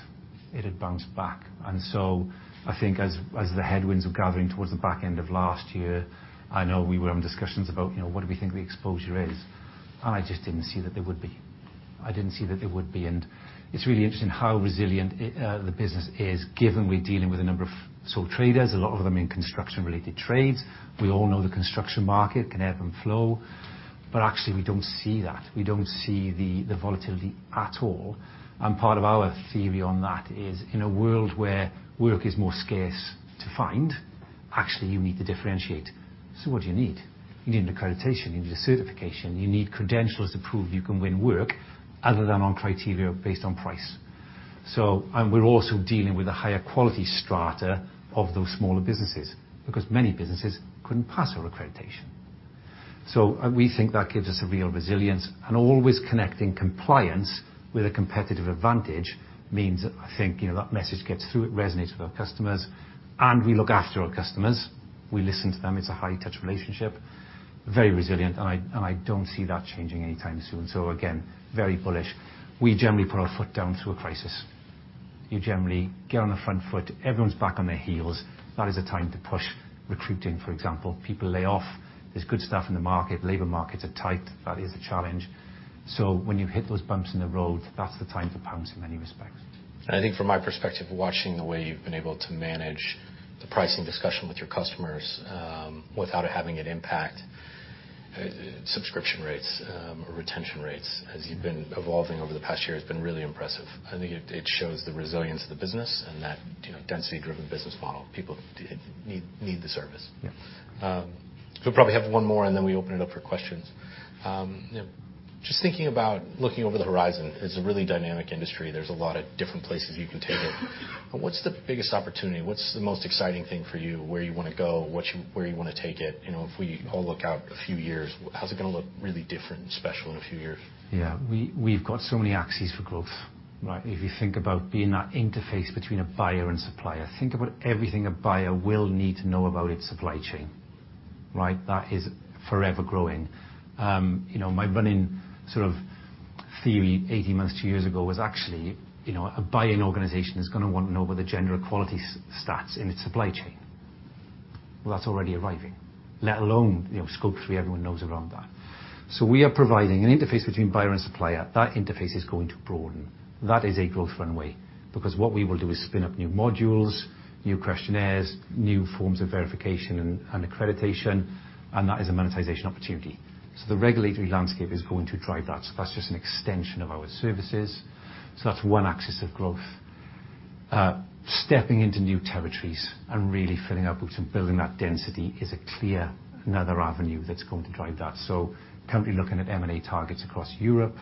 It had bounced back. I think as the headwinds were gathering towards the back end of last year, I know we were having discussions about, you know, what do we think the exposure is, and I just didn't see that there would be. I didn't see that there would be. It's really interesting how resilient the business is given we're dealing with a number of sole traders, a lot of them in construction-related trades. We all know the construction market can ebb and flow, but actually we don't see that. We don't see the volatility at all. Part of our theory on that is, in a world where work is more scarce to find, actually you need to differentiate. What do you need? You need an accreditation, you need a certification, you need credentials to prove you can win work other than on criteria based on price. We're also dealing with a higher quality strata of those smaller businesses, because many businesses couldn't pass our accreditation. We think that gives us a real resilience, and always connecting compliance with a competitive advantage means that I think, you know, that message gets through, it resonates with our customers, and we look after our customers. We listen to them. It's a high-touch relationship, very resilient, and I don't see that changing anytime soon. Again, very bullish. We generally put our foot down through a crisis. You generally get on the front foot, everyone's back on their heels. That is a time to push, recruiting, for example. People lay off. There's good stuff in the market. Labor markets are tight. That is a challenge. When you hit those bumps in the road, that's the time to pounce in many respects.
I think from my perspective, watching the way you've been able to manage the pricing discussion with your customers, without it having an impact, subscription rates, or retention rates, as you've been evolving over the past year, has been really impressive. I think it shows the resilience of the business and that, you know, density-driven business model. People need the service.
Yeah.
We probably have one more, and then we open it up for questions. Just thinking about looking over the horizon, it's a really dynamic industry. There's a lot of different places you can take it. What's the biggest opportunity? What's the most exciting thing for you? Where you wanna go, where you wanna take it? You know, if we all look out a few years, how's it gonna look really different and special in a few years?
Yeah, we've got so many axes for growth, right? If you think about being that interface between a buyer and supplier, think about everything a buyer will need to know about its supply chain. That is forever growing. you know, my running sort of theory 18 months, two years ago, was actually, you know, a buying organization is gonna want to know what the general quality stats in its supply chain. That's already arriving, let alone, you know, Scope 3, everyone knows around that. We are providing an interface between buyer and supplier. That interface is going to broaden. That is a growth runway, because what we will do is spin up new modules, new questionnaires, new forms of verification and accreditation, and that is a monetization opportunity. The regulatory landscape is going to drive that. That's just an extension of our services. That's one axis of growth. Stepping into new territories and really filling up boots and building that density is a clear another avenue that's going to drive that. Currently looking at M&A targets across Europe.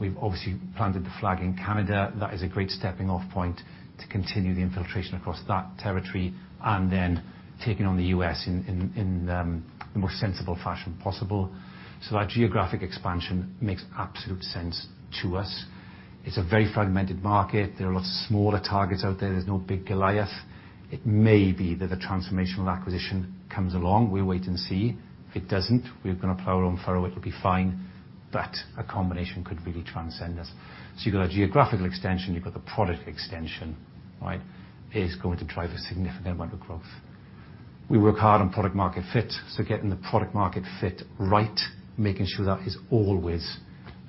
We've obviously planted the flag in Canada. That is a great stepping off point to continue the infiltration across that territory and then taking on the U.S. in the most sensible fashion possible. That geographic expansion makes absolute sense to us. It's a very fragmented market. There are a lot of smaller targets out there. There's no big Goliath. It may be that a transformational acquisition comes along. We'll wait and see. If it doesn't, we're gonna plow our own furrow. It'll be fine, but a combination could really transcend us. You've got a geographical extension, you've got the product extension, right, is going to drive a significant amount of growth. We work hard on product-market fit, getting the product-market fit right, making sure that is always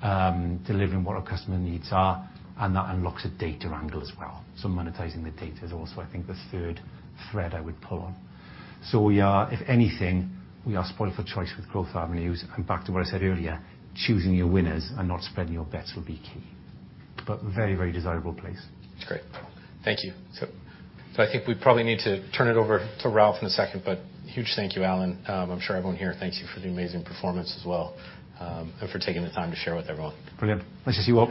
delivering what our customer needs are, and that unlocks a data angle as well. Monetizing the data is also, I think, the third thread I would pull on. We are, if anything, we are spoiled for choice with growth avenues. Back to what I said earlier, choosing your winners and not spreading your bets will be key. Very, very desirable place.
Great. Thank you. I think we probably need to turn it over to Ralf in a second, but huge thank you, Alyn. I'm sure everyone here thanks you for the amazing performance as well, and for taking the time to share with everyone.
Brilliant. Nice to see you all.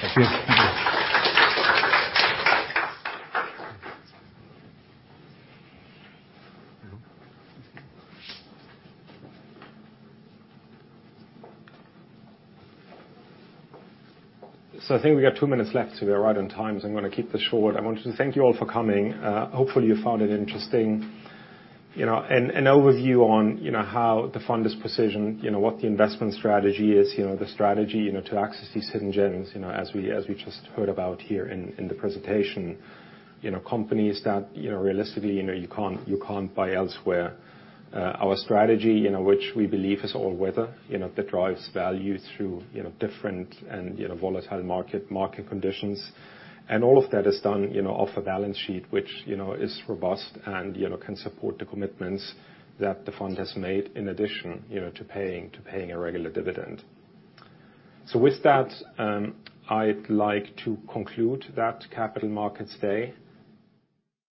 Thank you.
I think we got two minutes left, so we are right on time, so I'm gonna keep this short. I wanted to thank you all for coming. Hopefully, you found it interesting, you know, and overview on, you know, how the fund is positioned, you know, what the investment strategy is, you know, the strategy, you know, to access these hidden gems, you know, as we just heard about here in the presentation. You know, companies that, you know, realistically, you know, you can't buy elsewhere. Our strategy, you know, which we believe is all weather, you know, that drives value through, you know, different and, you know, volatile market conditions. All of that is done, you know, off a balance sheet, which, you know, is robust and, you know, can support the commitments that the fund has made in addition, you know, to paying a regular dividend. With that, I'd like to conclude that Capital Markets Day.